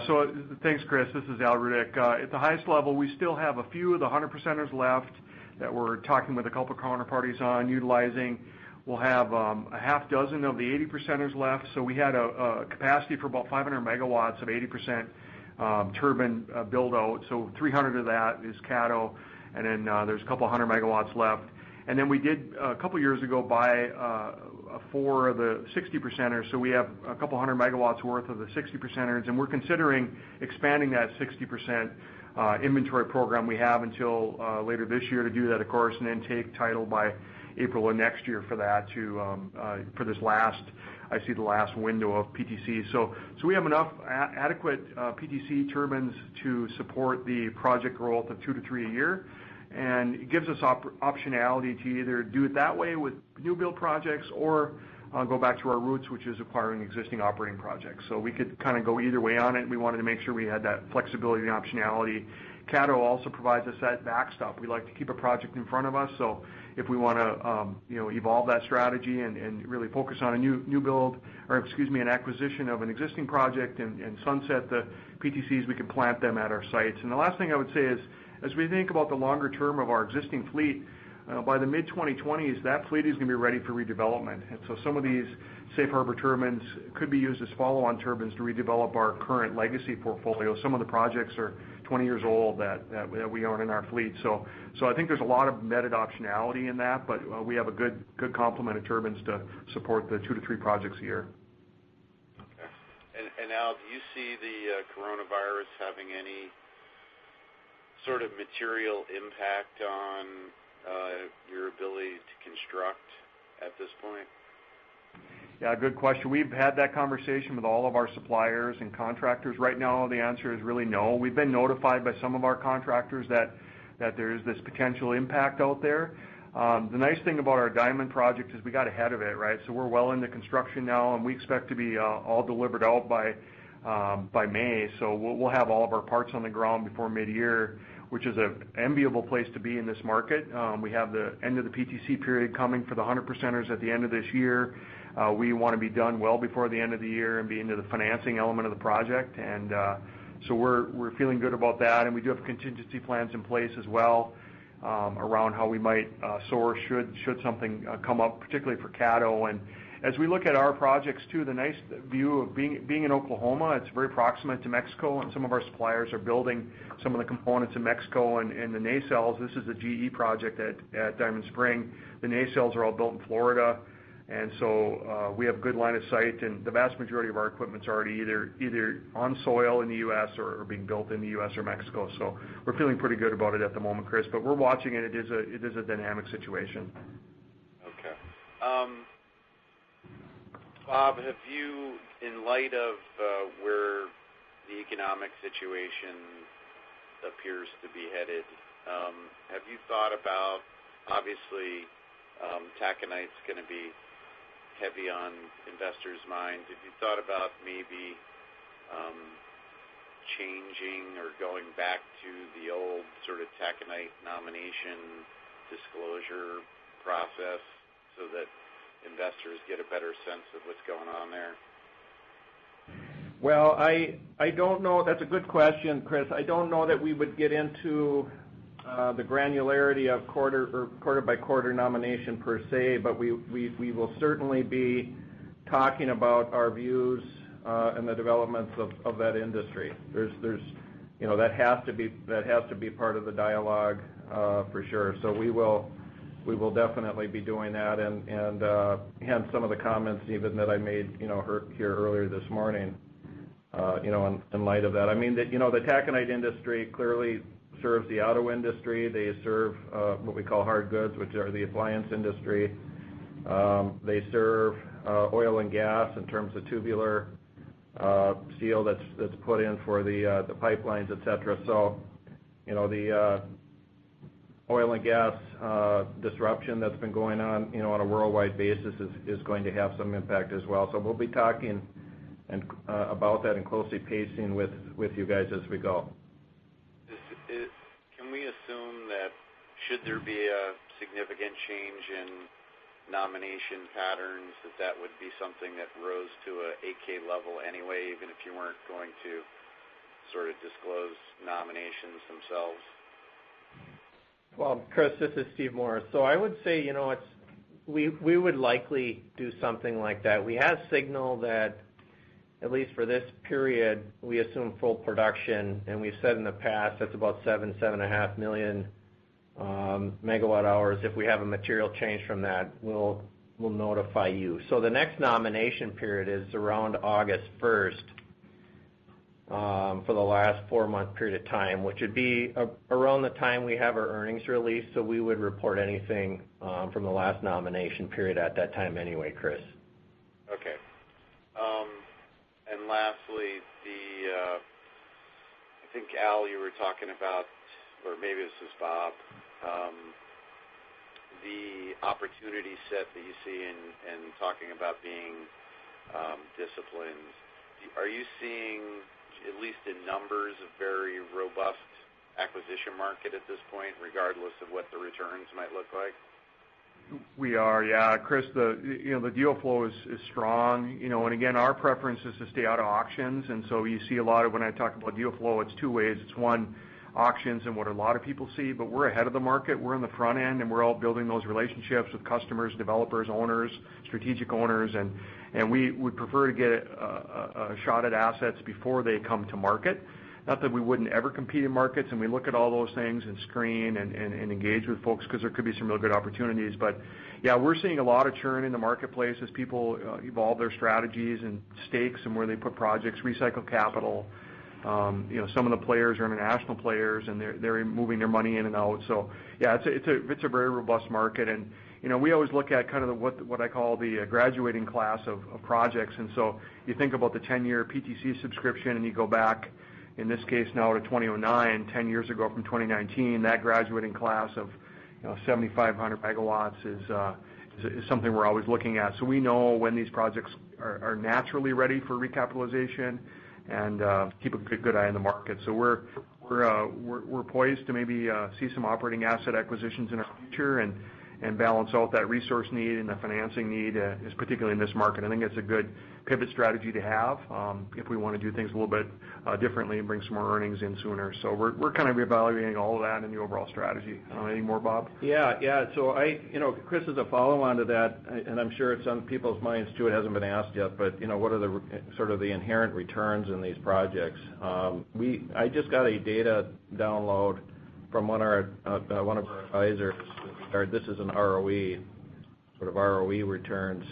Thanks, Chris. This is Al Rudeck. At the highest level, we still have a few of the 100 percenters left that we're talking with a couple of counterparties on utilizing. We'll have a half dozen of the 80 percenters left. We had a capacity for about 500 MW of 80% turbine build-out, so 300 of that is Caddo, and then there's a couple of hundred megawatts left. We did, a couple of years ago, buy four of the 60 percenters, so we have a couple of hundred megawatts' worth of the 60 percenters, and we're considering expanding that 60% inventory program. We have until later this year to do that, of course, and then take title by April of next year for this last window of PTC. We have enough adequate PTC turbines to support the project growth of two to three a year. It gives us optionality to either do it that way with new build projects or go back to our roots, which is acquiring existing operating projects. We could go either way on it. We wanted to make sure we had that flexibility and optionality. Caddo also provides us that backstop. We like to keep a project in front of us, so if we want to evolve that strategy and really focus on a new build, or excuse me, an acquisition of an existing project and sunset the PTCs, we can plant them at our sites. The last thing I would say is, as we think about the longer term of our existing fleet, by the mid-2020s, that fleet is going to be ready for redevelopment. Some of these Safe Harbor turbines could be used as follow-on turbines to redevelop our current legacy portfolio. Some of the projects are 20 years old that we own in our fleet. I think there's a lot of embedded optionality in that, but we have a good complement of turbines to support the two to three projects a year. Al, do you see the coronavirus having any sort of material impact on your ability to construct at this point? Yeah, good question. We've had that conversation with all of our suppliers and contractors. Right now, the answer is really no. We've been notified by some of our contractors that there is this potential impact out there. The nice thing about our Diamond project is we got ahead of it. We're well into construction now, and we expect to be all delivered out by May. We'll have all of our parts on the ground before mid-year, which is an enviable place to be in this market. We have the end of the PTC period coming for the 100 percenters at the end of this year. We want to be done well before the end of the year and be into the financing element of the project. We're feeling good about that, and we do have contingency plans in place as well, around how we might source should something come up, particularly for Caddo. As we look at our projects too, the nice view of being in Oklahoma, it's very proximate to Mexico, and some of our suppliers are building some of the components in Mexico and the nacelles. This is a GE project at Diamond Spring. The nacelles are all built in Florida. We have good line of sight, and the vast majority of our equipment's already either on soil in the U.S. or being built in the U.S. or Mexico. We're feeling pretty good about it at the moment, Chris, but we're watching it. It is a dynamic situation. Okay. Bob, in light of where the economic situation appears to be headed, obviously, taconite's going to be heavy on investors' minds. Have you thought about maybe changing or going back to the old sort of taconite nomination disclosure process so that investors get a better sense of what's going on there? Well, that's a good question, Chris. I don't know that we would get into the granularity of quarter by quarter nomination per se, but we will certainly be talking about our views, and the developments of that industry. That has to be part of the dialogue, for sure. We will definitely be doing that. Hence some of the comments, even that I made here earlier this morning, in light of that. The taconite industry clearly serves the auto industry. They serve what we call hard goods, which are the appliance industry. They serve oil and gas in terms of tubular steel that's put in for the pipelines, et cetera. The oil and gas disruption that's been going on a worldwide basis is going to have some impact as well. We'll be talking about that and closely pacing with you guys as we go. Can we assume that should there be a significant change in nomination patterns, that that would be something that rose to an 8-K level anyway, even if you weren't going to sort of disclose nominations themselves? Well, Chris, this is Steve Morris. I would say, we would likely do something like that. We have signaled that, at least for this period, we assume full production, and we've said in the past, that's about seven and a half million megawatt hours. If we have a material change from that, we'll notify you. The next nomination period is around August 1st, for the last four-month period of time, which would be around the time we have our earnings release. We would report anything from the last nomination period at that time anyway, Chris. Okay. Lastly, I think Al, you were talking about, or maybe this is Bob, the opportunity set that you see in talking about being disciplined. Are you seeing, at least in numbers, a very robust acquisition market at this point, regardless of what the returns might look like? We are, yeah. Chris, the deal flow is strong. Again, our preference is to stay out of auctions, so you see a lot of when I talk about deal flow, it's two ways. It's one, auctions and what a lot of people see, but we're ahead of the market. We're on the front end, and we're out building those relationships with customers, developers, owners, strategic owners, and we would prefer to get a shot at assets before they come to market. Not that we wouldn't ever compete in markets, and we look at all those things and screen and engage with folks because there could be some real good opportunities. Yeah, we're seeing a lot of churn in the marketplace as people evolve their strategies and stakes and where they put projects, recycle capital. Some of the players are international players, and they're moving their money in and out. Yeah, it's a very robust market. We always look at kind of what I call the graduating class of projects. You think about the 10-year PTC subscription, and you go back, in this case now, to 2009, 10 years ago from 2019. That graduating class of 7,500 MW is something we're always looking at. We know when these projects are naturally ready for recapitalization and keep a good eye on the market. We're poised to maybe see some operating asset acquisitions in our future and balance out that resource need and the financing need, particularly in this market. I think that's a good pivot strategy to have, if we want to do things a little bit differently and bring some more earnings in sooner. We're kind of reevaluating all of that in the overall strategy. Any more, Bob? Yeah. Chris, as a follow-on to that, and I'm sure it's on people's minds too, it hasn't been asked yet, but what are the sort of the inherent returns in these projects? I just got a data download from one of our advisors. This is an ROE, sort of ROE returns.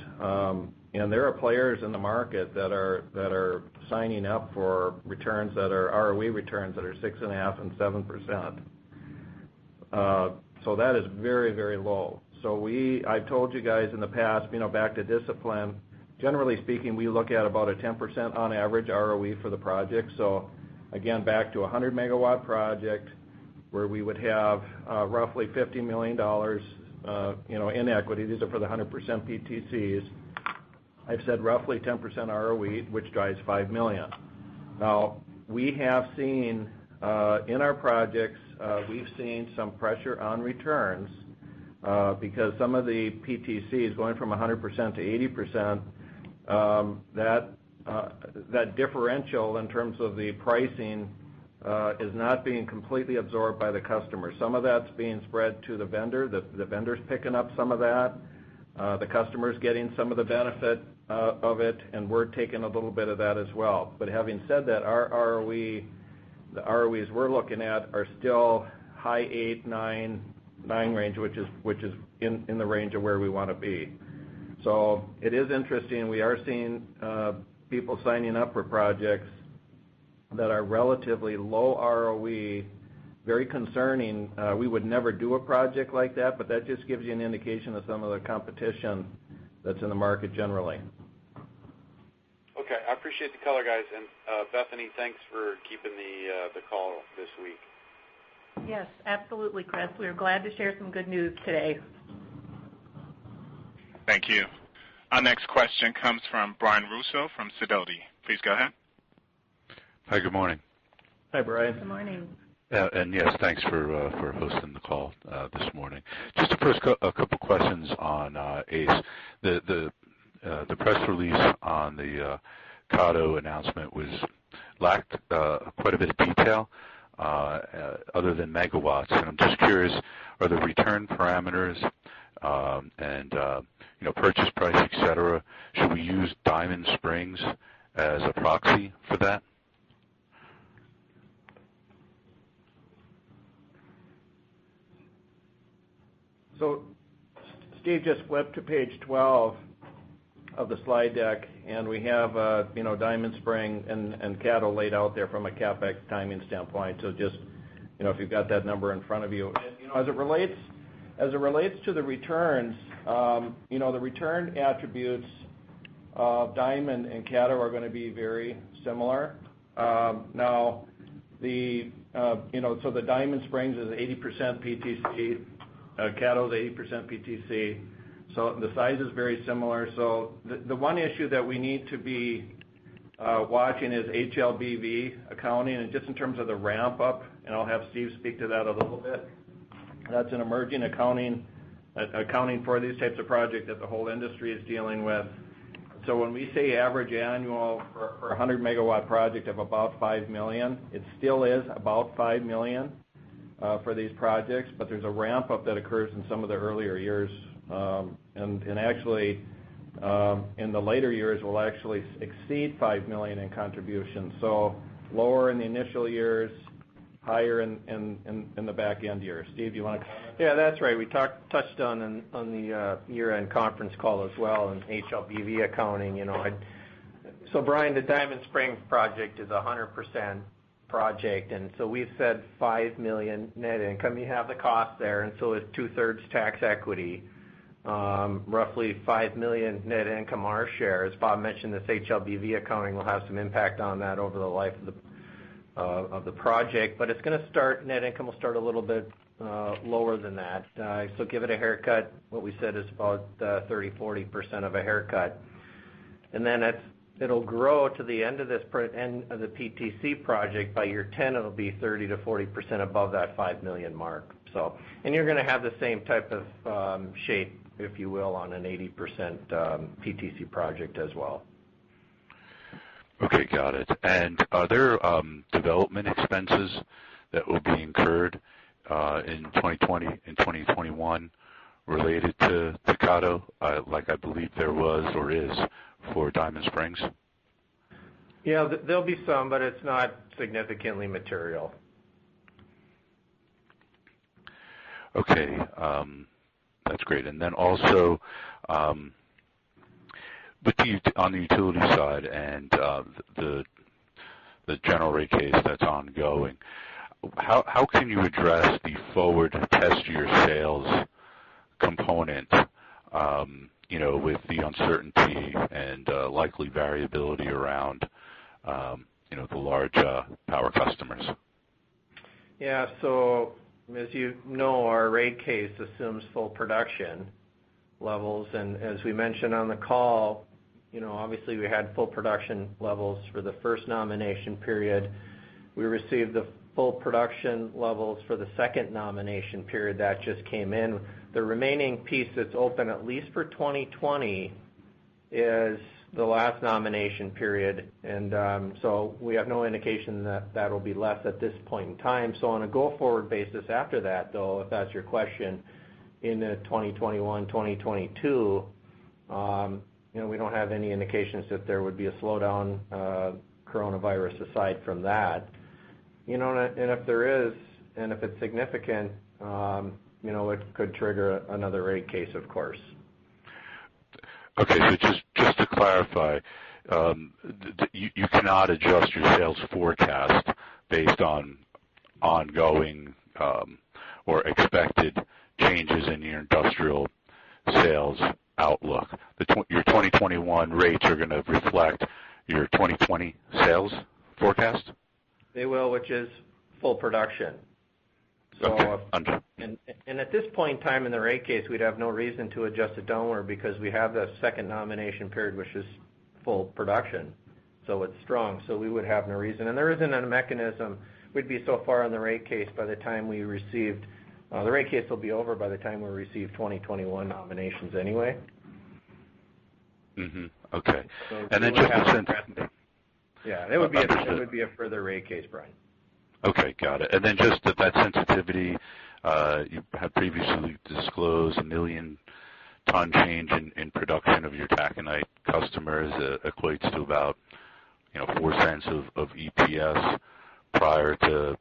There are players in the market that are signing up for returns that are ROE returns that are 6.5% and 7%. That is very low. I told you guys in the past, back to discipline, generally speaking, we look at about a 10% on average ROE for the project. Again, back to 100 MW project, where we would have roughly $50 million in equity. These are for the 100% PTCs. I've said roughly 10% ROE, which drives $5 million. We have seen, in our projects, we've seen some pressure on returns, because some of the PTCs going from 100%-80%, that differential in terms of the pricing is not being completely absorbed by the customer. Some of that's being spread to the vendor, the vendor's picking up some of that. The customer's getting some of the benefit of it, we're taking a little bit of that as well. Having said that, the ROEs we're looking at are still high eight-nine range, which is in the range of where we want to be. It is interesting. We are seeing people signing up for projects that are relatively low ROE, very concerning. We would never do a project like that just gives you an indication of some of the competition that's in the market generally. Okay. I appreciate the color, guys. Bethany, thanks for keeping the call this week. Yes, absolutely, Chris. We are glad to share some good news today. Thank you. Our next question comes from Brian Russo from Sidoti. Please go ahead. Hi, good morning. Hi, Brian. Good morning. Yes, thanks for hosting the call this morning. Just first, a couple questions on ACE. The press release on the Caddo announcement lacked quite a bit of detail other than megawatts I'm just curious, are the return parameters and purchase price, et cetera, should we use Diamond Spring as a proxy for that? Steve just flip to page 12 of the slide deck, and we have Diamond Spring and Caddo laid out there from a CapEx timing standpoint. Just, if you've got that number in front of you. As it relates to the returns, the return attributes of Diamond and Caddo are going to be very similar. The Diamond Spring is 80% PTC, Caddo is 80% PTC. The size is very similar. The one issue that we need to be watching is HLBV accounting, and just in terms of the ramp-up, and I'll have Steve speak to that a little bit. That's an emerging accounting for these types of project that the whole industry is dealing with. When we say average annual for 100 MW project of about $5 million, it still is about $5 million for these projects. There's a ramp-up that occurs in some of the earlier years. Actually, in the later years, will actually exceed $5 million in contributions. Lower in the initial years, higher in the back-end years. Steve, you want to comment? Yeah, that's right. We touched on the year-end conference call as well on HLBV accounting. Brian, the Diamond Spring project is 100% project, we've said $5 million net income. You have the cost there, it's two-thirds tax equity. Roughly $5 million net income our share. As Bob mentioned, this HLBV accounting will have some impact on that over the life of the project. Net income will start a little bit lower than that. Give it a haircut. What we said is about 30%, 40% of a haircut. It'll grow to the end of the PTC project. By year 10, it'll be 30%-40% above that $5 million mark. You're going to have the same type of shape, if you will, on an 80% PTC project as well. Okay, got it. Are there development expenses that will be incurred in 2020 and 2021 related to Caddo, like I believe there was or is for Diamond Spring? Yeah. There'll be some, but it's not significantly material. Okay. That's great. Also, on the utility side and the general rate case that's ongoing, how can you address the forward test year sales component with the uncertainty and likely variability around the large power customers? Yeah. As you know, our rate case assumes full production levels. As we mentioned on the call, obviously we had full production levels for the first nomination period. We received the full production levels for the second nomination period. That just came in. The remaining piece that's open, at least for 2020, is the last nomination period. We have no indication that that'll be less at this point in time. On a go-forward basis after that, though, if that's your question, in the 2021, 2022 We don't have any indications that there would be a slowdown, coronavirus aside from that. If there is, and if it's significant, it could trigger another rate case, of course. Okay. Just to clarify, you cannot adjust your sales forecast based on ongoing or expected changes in your industrial sales outlook. Your 2021 rates are going to reflect your 2020 sales forecast? They will, which is full production. Okay. Understood. At this point in time in the rate case, we'd have no reason to adjust it downward because we have the second nomination period, which is full production, so it's strong. We would have no reason. There isn't a mechanism. The rate case will be over by the time we receive 2021 nominations anyway. Okay. Yeah. There would be a further rate case, Brian. Okay. Got it. Then just that sensitivity, you had previously disclosed a 1 million tons change in production of your taconite customers equates to about $0.04 of EPS prior to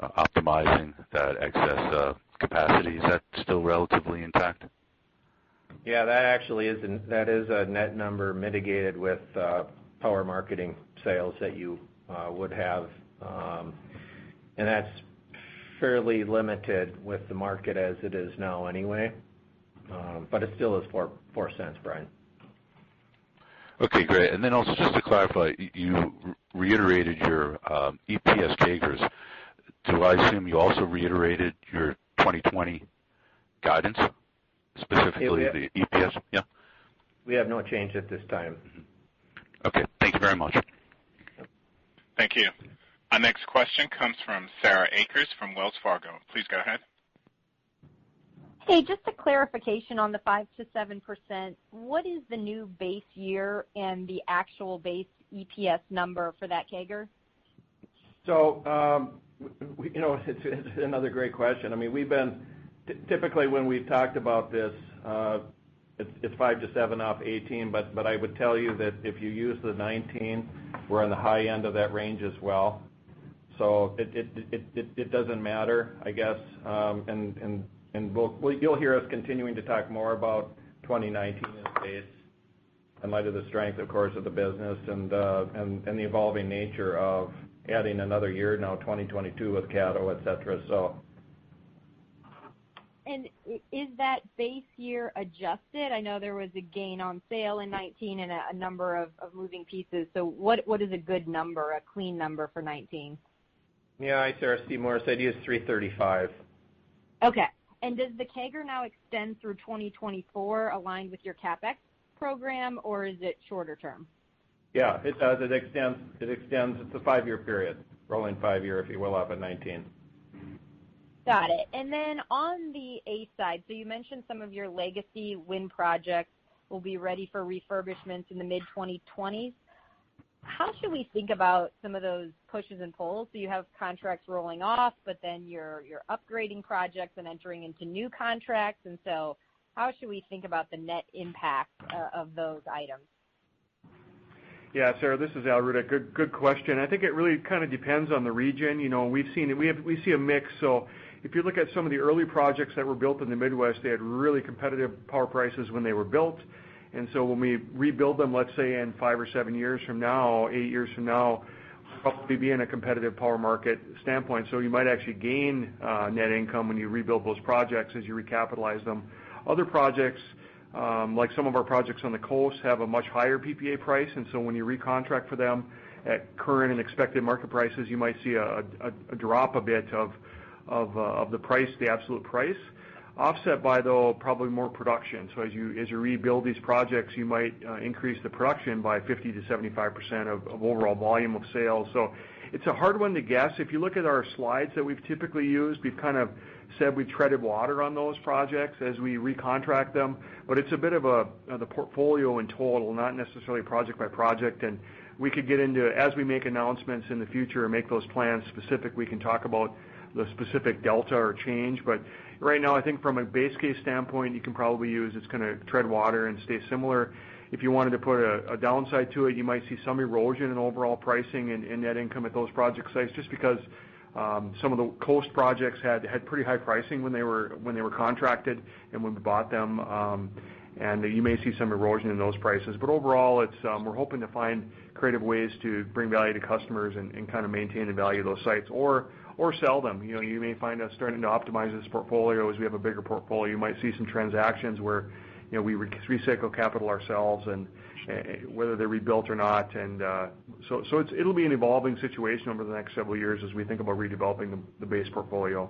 optimizing that excess capacity. Is that still relatively intact? Yeah, that is a net number mitigated with power marketing sales that you would have. That's fairly limited with the market as it is now anyway. It still is $0.04, Brian. Okay, great. Also, just to clarify, you reiterated your EPS CAGRs. Do I assume you also reiterated your 2020 guidance, specifically the EPS? Yeah. We have no change at this time. Mm-hmm. Okay. Thank you very much. Thank you. Our next question comes from Sarah Akers from Wells Fargo. Please go ahead. Hey, just a clarification on the 5%-7%. What is the new base year and the actual base EPS number for that CAGR? It's another great question. Typically, when we've talked about this, it's 5%-7% off 2018. I would tell you that if you use the 2019, we're on the high end of that range as well. It doesn't matter, I guess. You'll hear us continuing to talk more about 2019 as base in light of the strength, of course, of the business and the evolving nature of adding another year, now 2022 with Caddo, et cetera. Is that base year adjusted? I know there was a gain on sale in 2019 and a number of moving pieces. What is a good number, a clean number for 2019? Yeah. Hi, Sarah. Steve Morris. Idea is 335. Okay. Does the CAGR now extend through 2024, aligned with your CapEx program, or is it shorter term? Yeah, it does. It extends. It's a five-year period, rolling five-year, if you will, off of 2019. Got it. On the ACE side, you mentioned some of your legacy wind projects will be ready for refurbishment in the mid-2020s. How should we think about some of those pushes and pulls? You have contracts rolling off, you're upgrading projects and entering into new contracts. How should we think about the net impact of those items? Sarah, this is Al Rudeck. Good question. I think it really kind of depends on the region. We see a mix. If you look at some of the early projects that were built in the Midwest, they had really competitive power prices when they were built. When we rebuild them, let's say in five or seven years from now, eight years from now, we'll probably be in a competitive power market standpoint. You might actually gain net income when you rebuild those projects as you recapitalize them. Other projects, like some of our projects on the coast, have a much higher PPA price, and so when you recontract for them at current and expected market prices, you might see a drop a bit of the price, the absolute price, offset by, though, probably more production. As you rebuild these projects, you might increase the production by 50% to 75% of overall volume of sales. It's a hard one to guess. If you look at our slides that we've typically used, we've kind of said we treaded water on those projects as we recontract them, but it's a bit of the portfolio in total, not necessarily project by project. We could get into it. As we make announcements in the future or make those plans specific, we can talk about the specific delta or change. Right now, I think from a base case standpoint, you can probably use, it's going to tread water and stay similar. If you wanted to put a downside to it, you might see some erosion in overall pricing and net income at those project sites, just because some of the coast projects had pretty high pricing when they were contracted and when we bought them. You may see some erosion in those prices. Overall, we're hoping to find creative ways to bring value to customers and kind of maintain the value of those sites or sell them. You may find us starting to optimize this portfolio as we have a bigger portfolio. You might see some transactions where we recycle capital ourselves and whether they're rebuilt or not. It'll be an evolving situation over the next several years as we think about redeveloping the base portfolio.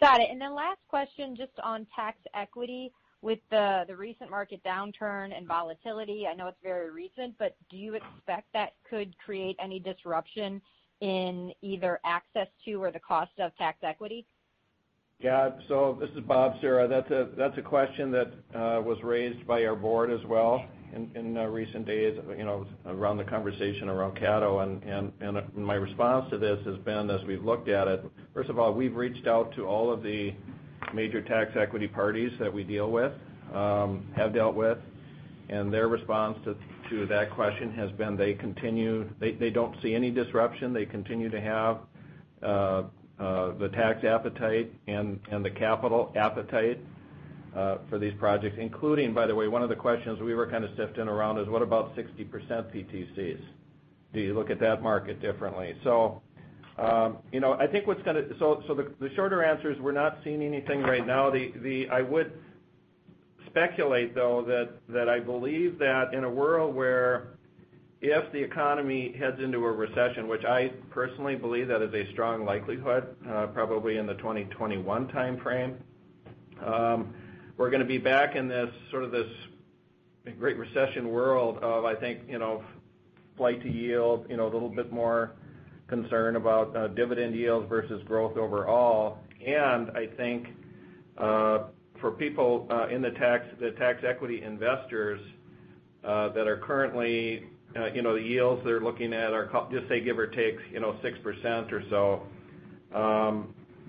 Got it. Last question, just on tax equity. With the recent market downturn and volatility, I know it's very recent, but do you expect that could create any disruption in either access to or the cost of tax equity? Yeah. This is Bob, Sarah. That's a question that. Was raised by our board as well in recent days, around the conversation around Caddo. My response to this has been, as we've looked at it, first of all, we've reached out to all of the major tax equity parties that we deal with, have dealt with, and their response to that question has been, they don't see any disruption. They continue to have the tax appetite and the capital appetite for these projects. Including, by the way, one of the questions we were kind of sifted around is, what about 60% PTCs? Do you look at that market differently? The shorter answer is we're not seeing anything right now. I would speculate, though, that I believe that in a world where if the economy heads into a recession, which I personally believe that is a strong likelihood, probably in the 2021 timeframe, we're going to be back in this great recession world of, I think, flight to yield, a little bit more concern about dividend yields versus growth overall. I think, for people in the tax, the tax equity investors that are currently the yields they're looking at are just, say, give or take, 6% or so.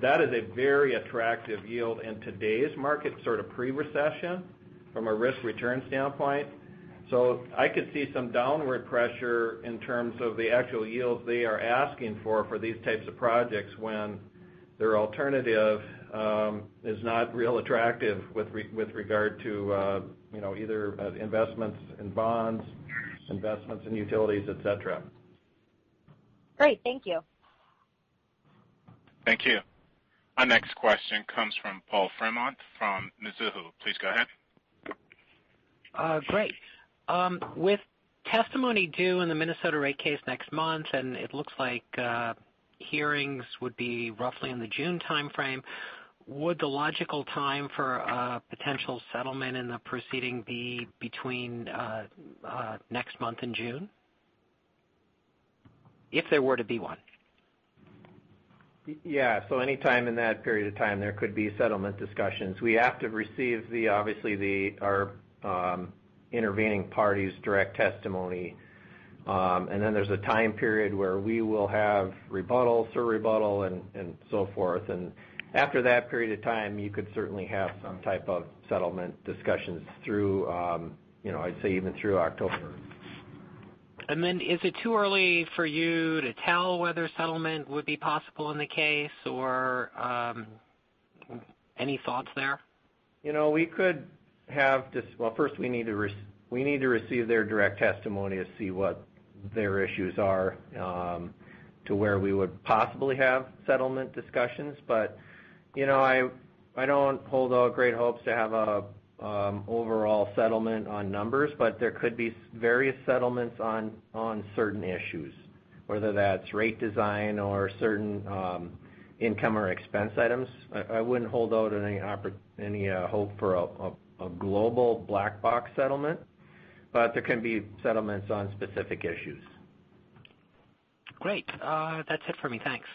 That is a very attractive yield in today's market, sort of pre-recession, from a risk-return standpoint. I could see some downward pressure in terms of the actual yields they are asking for these types of projects when their alternative is not real attractive with regard to either investments in bonds, investments in utilities, et cetera. Great. Thank you. Thank you. Our next question comes from Paul Fremont from Mizuho. Please go ahead. Great. With testimony due in the Minnesota rate case next month, and it looks like hearings would be roughly in the June timeframe, would the logical time for a potential settlement in the proceeding be between next month and June? If there were to be one. Yeah. Anytime in that period of time, there could be settlement discussions. We have to receive, obviously, our intervening party's direct testimony, then there's a time period where we will have rebuttal, sur-rebuttal, and so forth. After that period of time, you could certainly have some type of settlement discussions through, I'd say, even through October. Is it too early for you to tell whether settlement would be possible in the case or any thoughts there? First we need to receive their direct testimony to see what their issues are, to where we would possibly have settlement discussions. I don't hold out great hopes to have an overall settlement on numbers, but there could be various settlements on certain issues, whether that's rate design or certain income or expense items. I wouldn't hold out any hope for a global black box settlement, but there can be settlements on specific issues. Great. That's it for me. Thanks.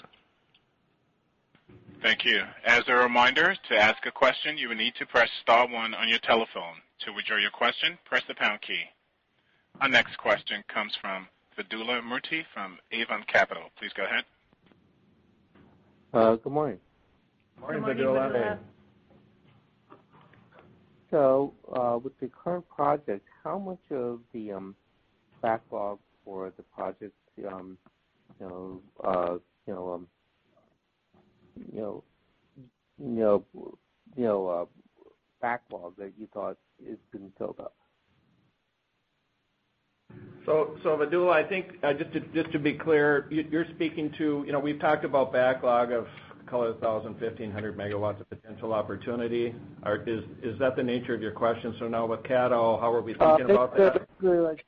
Thank you. As a reminder, to ask a question, you will need to press star one on your telephone. To withdraw your question, press the pound key. Our next question comes from Vedula Murti from Avon Capital. Please go ahead. Good morning. Morning, Vedula. Good morning. With the current projects, how much of the backlog for the projects that you thought has been filled up? Vedula, I think, just to be clear, we've talked about backlog of call it 1,000, 1,500 MW of potential opportunity. Is that the nature of your question? Now with Caddo, how are we thinking about that? It's kind of like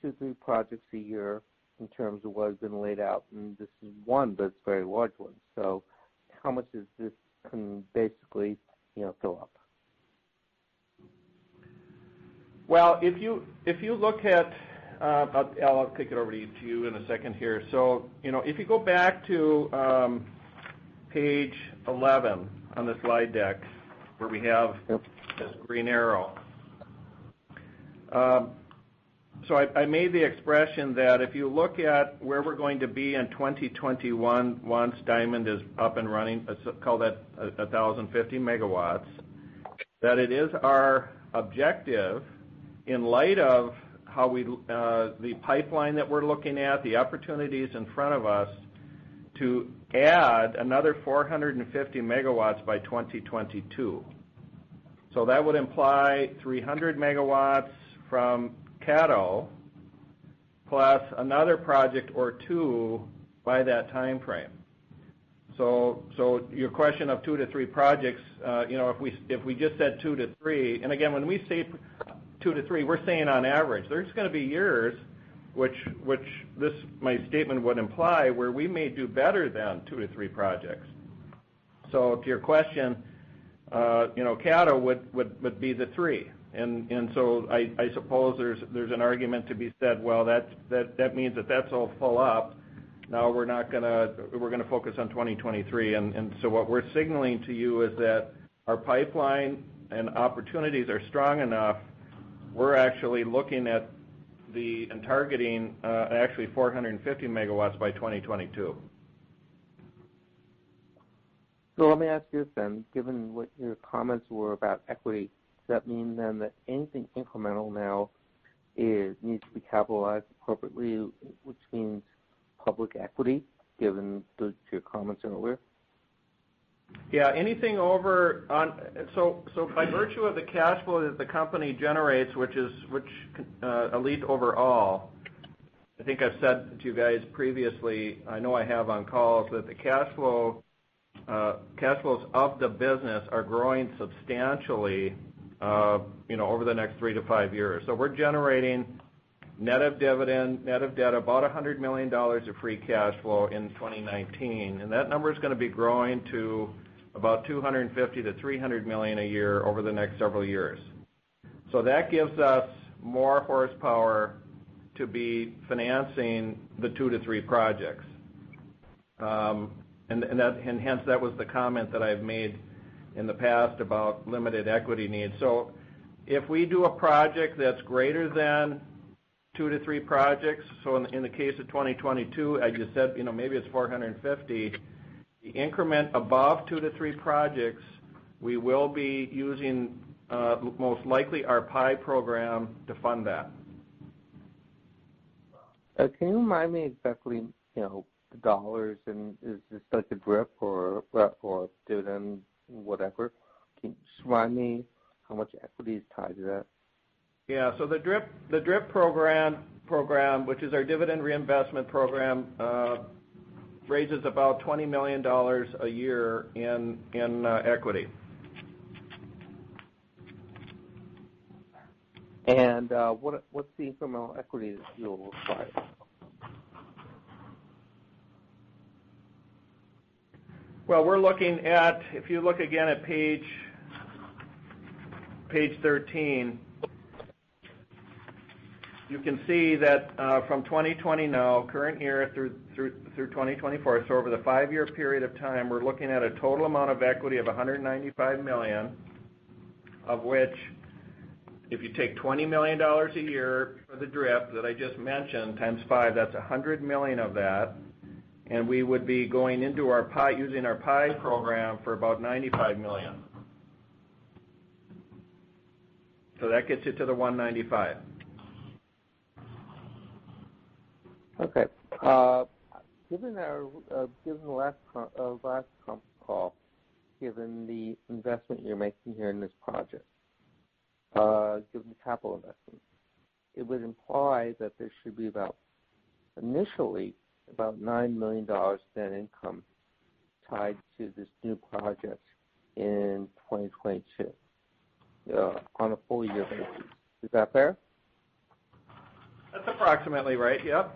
two, three projects a year in terms of what has been laid out, and this is one, but it's a very large one. How much does this basically fill up? Well, if you look at I'll kick it over to you in a second here. If you go back to page 11 on the slide deck. this green arrow. I made the expression that if you look at where we're going to be in 2021 once Diamond is up and running, let's call that 1,050 MW, that it is our objective, in light of the pipeline that we're looking at, the opportunities in front of us, to add another 450 MW by 2022. That would imply 300 MW from Caddo, plus another project or two by that timeframe. Your question of two to three projects, if we just said two to three, and again, when we say two to three, we're saying on average. There's going to be years, which my statement would imply, where we may do better than two to three projects. To your question, Caddo would be the three. I suppose there's an argument to be said, well, that means that that's all full up. No, we're going to focus on 2023. What we're signaling to you is that our pipeline and opportunities are strong enough. We're actually looking at and targeting actually 450 MW by 2022. Let me ask you this then. Given what your comments were about equity, does that mean then that anything incremental now needs to be capitalized appropriately, which means public equity, given your comments earlier? Yeah. By virtue of the cash flow that the company generates, which ALLETE overall, I think I've said to you guys previously, I know I have on calls, that the cash flows of the business are growing substantially over the next three to five years. We're generating, net of debt, about $100 million of free cash flow in 2019. That number is going to be growing to about $250 million-$300 million a year over the next several years. That gives us more horsepower to be financing the two to three projects. Hence, that was the comment that I've made in the past about limited equity needs. If we do a project that's greater than two to three projects, in the case of 2022, as you said, maybe it's 450, the increment above two to three projects, we will be using most likely our PI program to fund that. Can you remind me exactly the dollars, and is this like a DRIP or dividend, whatever? Can you just remind me how much equity is tied to that? The DRIP program, which is our dividend reinvestment program, raises about $20 million a year in equity. What's the incremental equity you'll require? If you look again at page 13, you can see that from 2020 now, current year, through 2024, over the five-year period of time, we're looking at a total amount of equity of $195 million. Of which, if you take $20 million a year for the DRIP that I just mentioned, times five, that's $100 million of that, and we would be going into using our PI program for about $95 million. That gets you to the $195 million. Okay. Given the last comp call, given the investment you're making here in this project, given the capital investment, it would imply that there should be initially about $9 million net income tied to this new project in 2022 on a full year basis. Is that fair? That's approximately right, yep.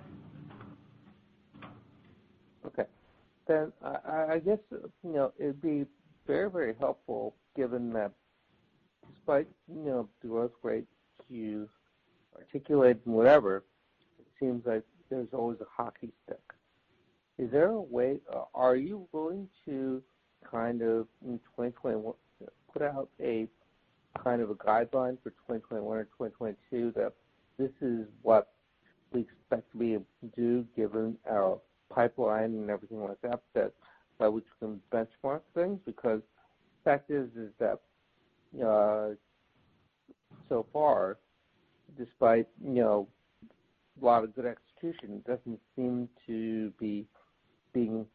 I guess it'd be very helpful given that despite it was great to articulate and whatever, it seems like there's always a hockey stick. Are you willing to, in 2021, put out a guideline for 2021 or 2022 that this is what we expect to be able to do given our pipeline and everything like that we can benchmark things? The fact is that so far, despite a lot of good execution, it doesn't seem to be being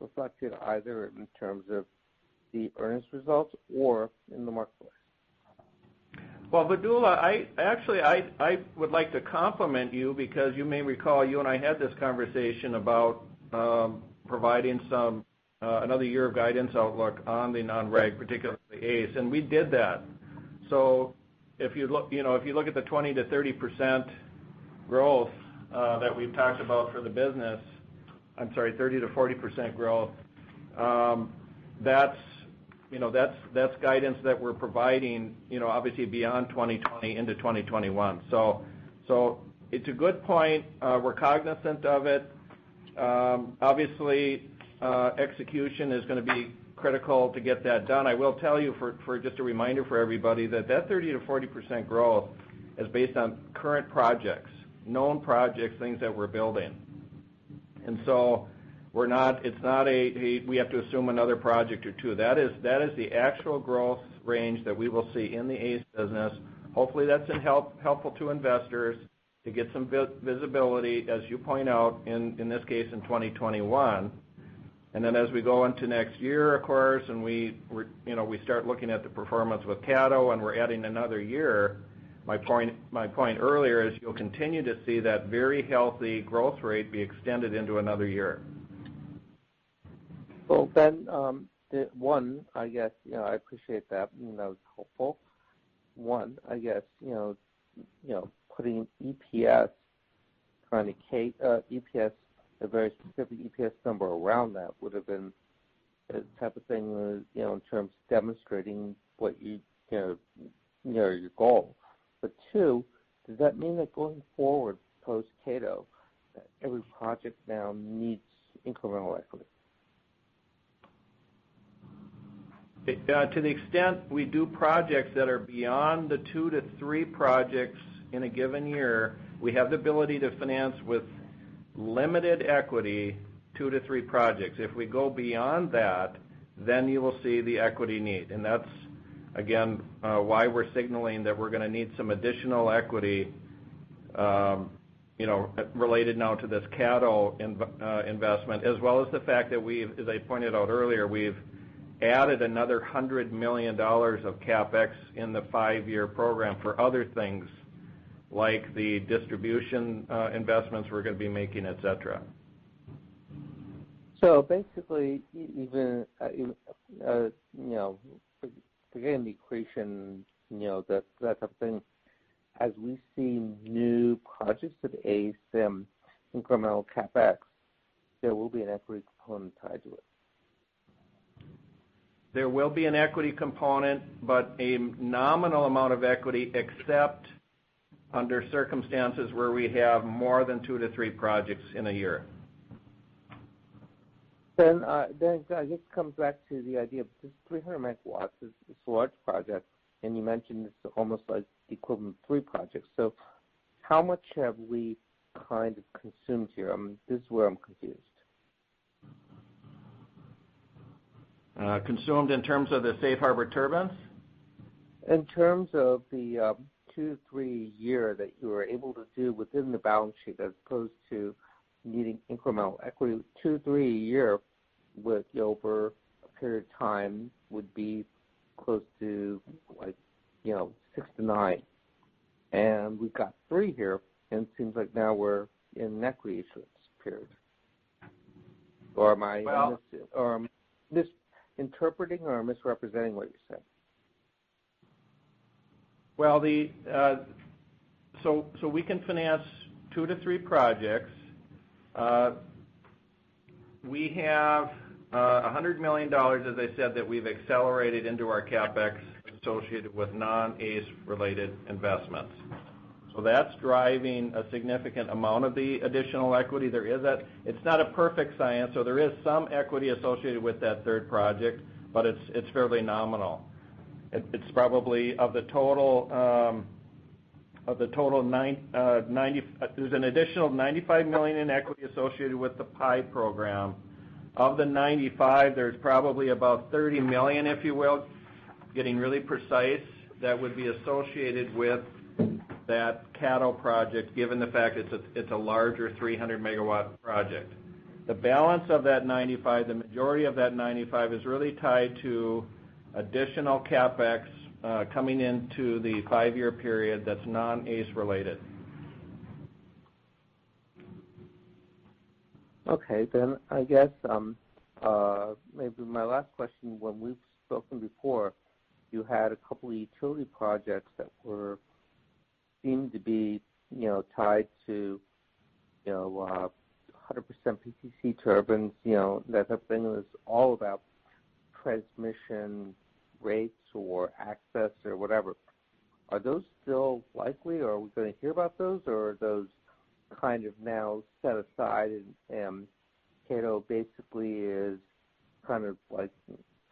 reflected either in terms of the earnings results or in the marketplace. Well, Vedula, actually, I would like to compliment you because you may recall, you and I had this conversation about providing another year of guidance outlook on the non-reg, particularly ACE, and we did that. If you look at the 20%-30% growth that we've talked about for the business, I'm sorry, 30%-40% growth, that's guidance that we're providing, obviously beyond 2020 into 2021. It's a good point. We're cognizant of it. Obviously, execution is going to be critical to get that done. I will tell you, for just a reminder for everybody, that that 30%-40% growth is based on current projects, known projects, things that we're building. It's not a, we have to assume another project or two. That is the actual growth range that we will see in the ACE business. Hopefully, that's helpful to investors to get some visibility, as you point out, in this case, in 2021. As we go into next year, of course, and we start looking at the performance with Caddo and we're adding another year, my point earlier is you'll continue to see that very healthy growth rate be extended into another year. Well, one, I appreciate that. That was helpful. One, I guess, putting a very specific EPS number around that type of thing, in terms of demonstrating your goal. Two, does that mean that going forward, post-Caddo, every project now needs incremental equity? To the extent we do projects that are beyond the two to three projects in a given year, we have the ability to finance with limited equity, two to three projects. If we go beyond that, you will see the equity need. That's, again, why we're signaling that we're going to need some additional equity, related now to this Caddo investment, as well as the fact that, as I pointed out earlier, we've added another $100 million of CapEx in the five-year program for other things like the distribution investments we're going to be making, et cetera. Basically, to get an equation, that type of thing, as we see new projects with ACE and incremental CapEx, there will be an equity component tied to it. There will be an equity component, but a nominal amount of equity, except under circumstances where we have more than two to three projects in a year. I guess it comes back to the idea of this 300 MW. It's a large project, and you mentioned it's almost equivalent to three projects. How much have we consumed here? This is where I'm confused. Consumed in terms of the Safe Harbor turbines? In terms of the two-three a year that you were able to do within the balance sheet, as opposed to needing incremental equity. two-three a year over a period of time would be close to six to nine. We've got three here, and it seems like now we're in that ratio period. Well. Misinterpreting or misrepresenting what you said? We can finance two to three projects. We have $100 million, as I said, that we've accelerated into our CapEx associated with non-ACE related investments. That's driving a significant amount of the additional equity. It's not a perfect science, so there is some equity associated with that third project, but it's fairly nominal. There's an additional $95 million in equity associated with the PI program. Of the 95, there's probably about $30 million, if you will, getting really precise, that would be associated with that Caddo project, given the fact it's a larger 300 MW project. The balance of that 95, the majority of that 95, is really tied to additional CapEx coming into the five-year period that's non-ACE related. Okay, I guess, maybe my last question. When we've spoken before, you had a couple of utility projects that seemed to be tied to 100% PTC turbines. That type of thing was all about transmission rates or access or whatever. Are those still likely, or are we going to hear about those? Are those now set aside, and Caddo basically is, for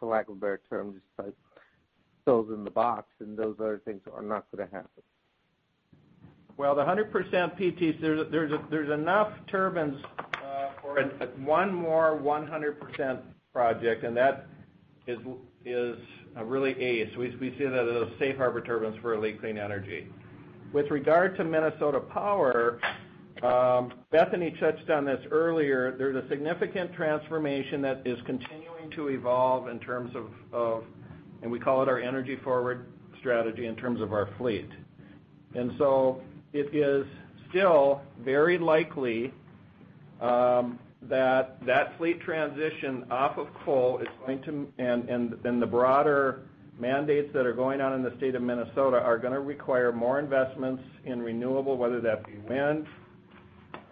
lack of a better term, just fills in the box and those other things are not going to happen? Well, the 100% PTC, there's enough turbines for one more 100% project. That is really ACE. We see that as Safe Harbor turbines for ALLETE Clean Energy. With regard to Minnesota Power, Bethany touched on this earlier. There's a significant transformation that is continuing to evolve. We call it our energy forward strategy, in terms of our fleet. It is still very likely that fleet transition off of coal and the broader mandates that are going on in the state of Minnesota are going to require more investments in renewable, whether that be wind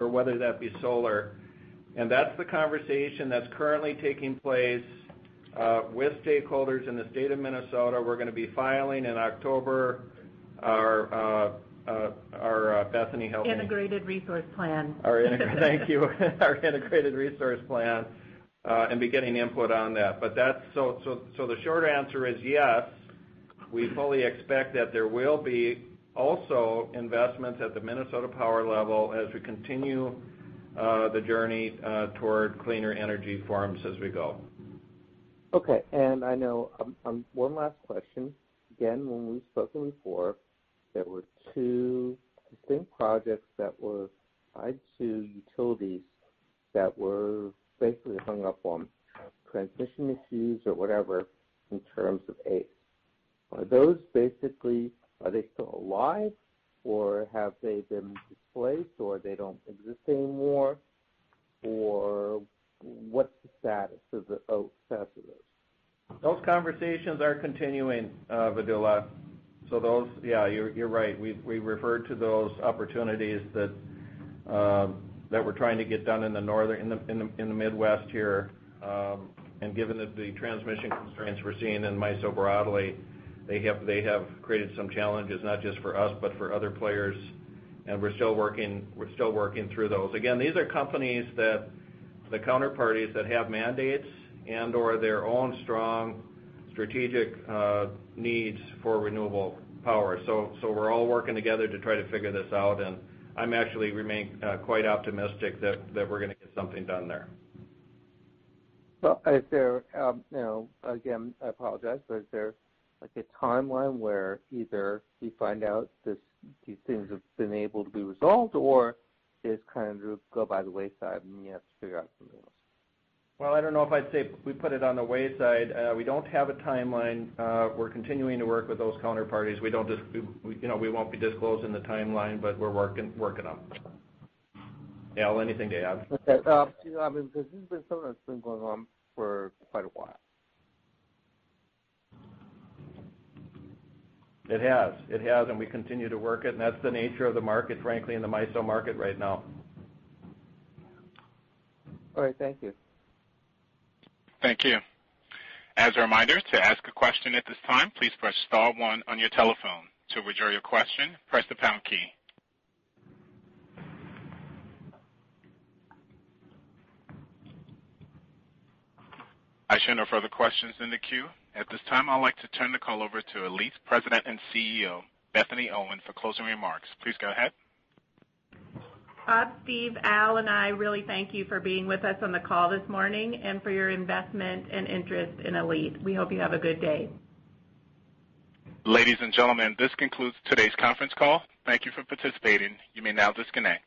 or whether that be solar. That's the conversation that's currently taking place with stakeholders in the state of Minnesota. We're going to be filing in October our, Bethany help me. Integrated Resource Plan. Thank you. Our Integrated Resource Plan is getting input on that. The short answer is yes, we fully expect that there will be also investments at the Minnesota Power level as we continue the journey toward cleaner energy forms as we go. Okay. I know, one last question. Again, when we've spoken before, there were two distinct projects that were tied to utilities that were basically hung up on transmission issues or whatever, in terms of ACE. Are those basically, are they still alive? Have they been displaced or they don't exist anymore? What's the status of those? Those conversations are continuing, Vedula. Those, yeah, you're right. We referred to those opportunities that we're trying to get done in the Midwest here. Given that the transmission constraints we're seeing in MISO broadly, they have created some challenges, not just for us, but for other players, and we're still working through those. Again, these are companies that the counterparties that have mandates and/or their own strong strategic needs for renewable power. We're all working together to try to figure this out, and I actually remain quite optimistic that we're going to get something done there. Well, again, I apologize, but is there a timeline where either you find out these things have been able to be resolved, or just kind of go by the wayside, and you have to figure out something else? Well, I don't know if I'd say we put it on the wayside. We don't have a timeline. We're continuing to work with those counterparties. We won't be disclosing the timeline, but we're working on it. Al, anything to add? Okay. This has been something that's been going on for quite a while. It has. It has, and we continue to work it, and that's the nature of the market, frankly, in the MISO market right now. All right. Thank you. Thank you. As a reminder, to ask a question at this time, please press star one on your telephone. To withdraw your question, press the pound key. I show no further questions in the queue. At this time, I'd like to turn the call over to ALLETE President and CEO, Bethany Owen, for closing remarks. Please go ahead. Bob, Steve, Al, and I really thank you for being with us on the call this morning and for your investment and interest in ALLETE. We hope you have a good day. Ladies and gentlemen, this concludes today's conference call. Thank you for participating. You may now disconnect.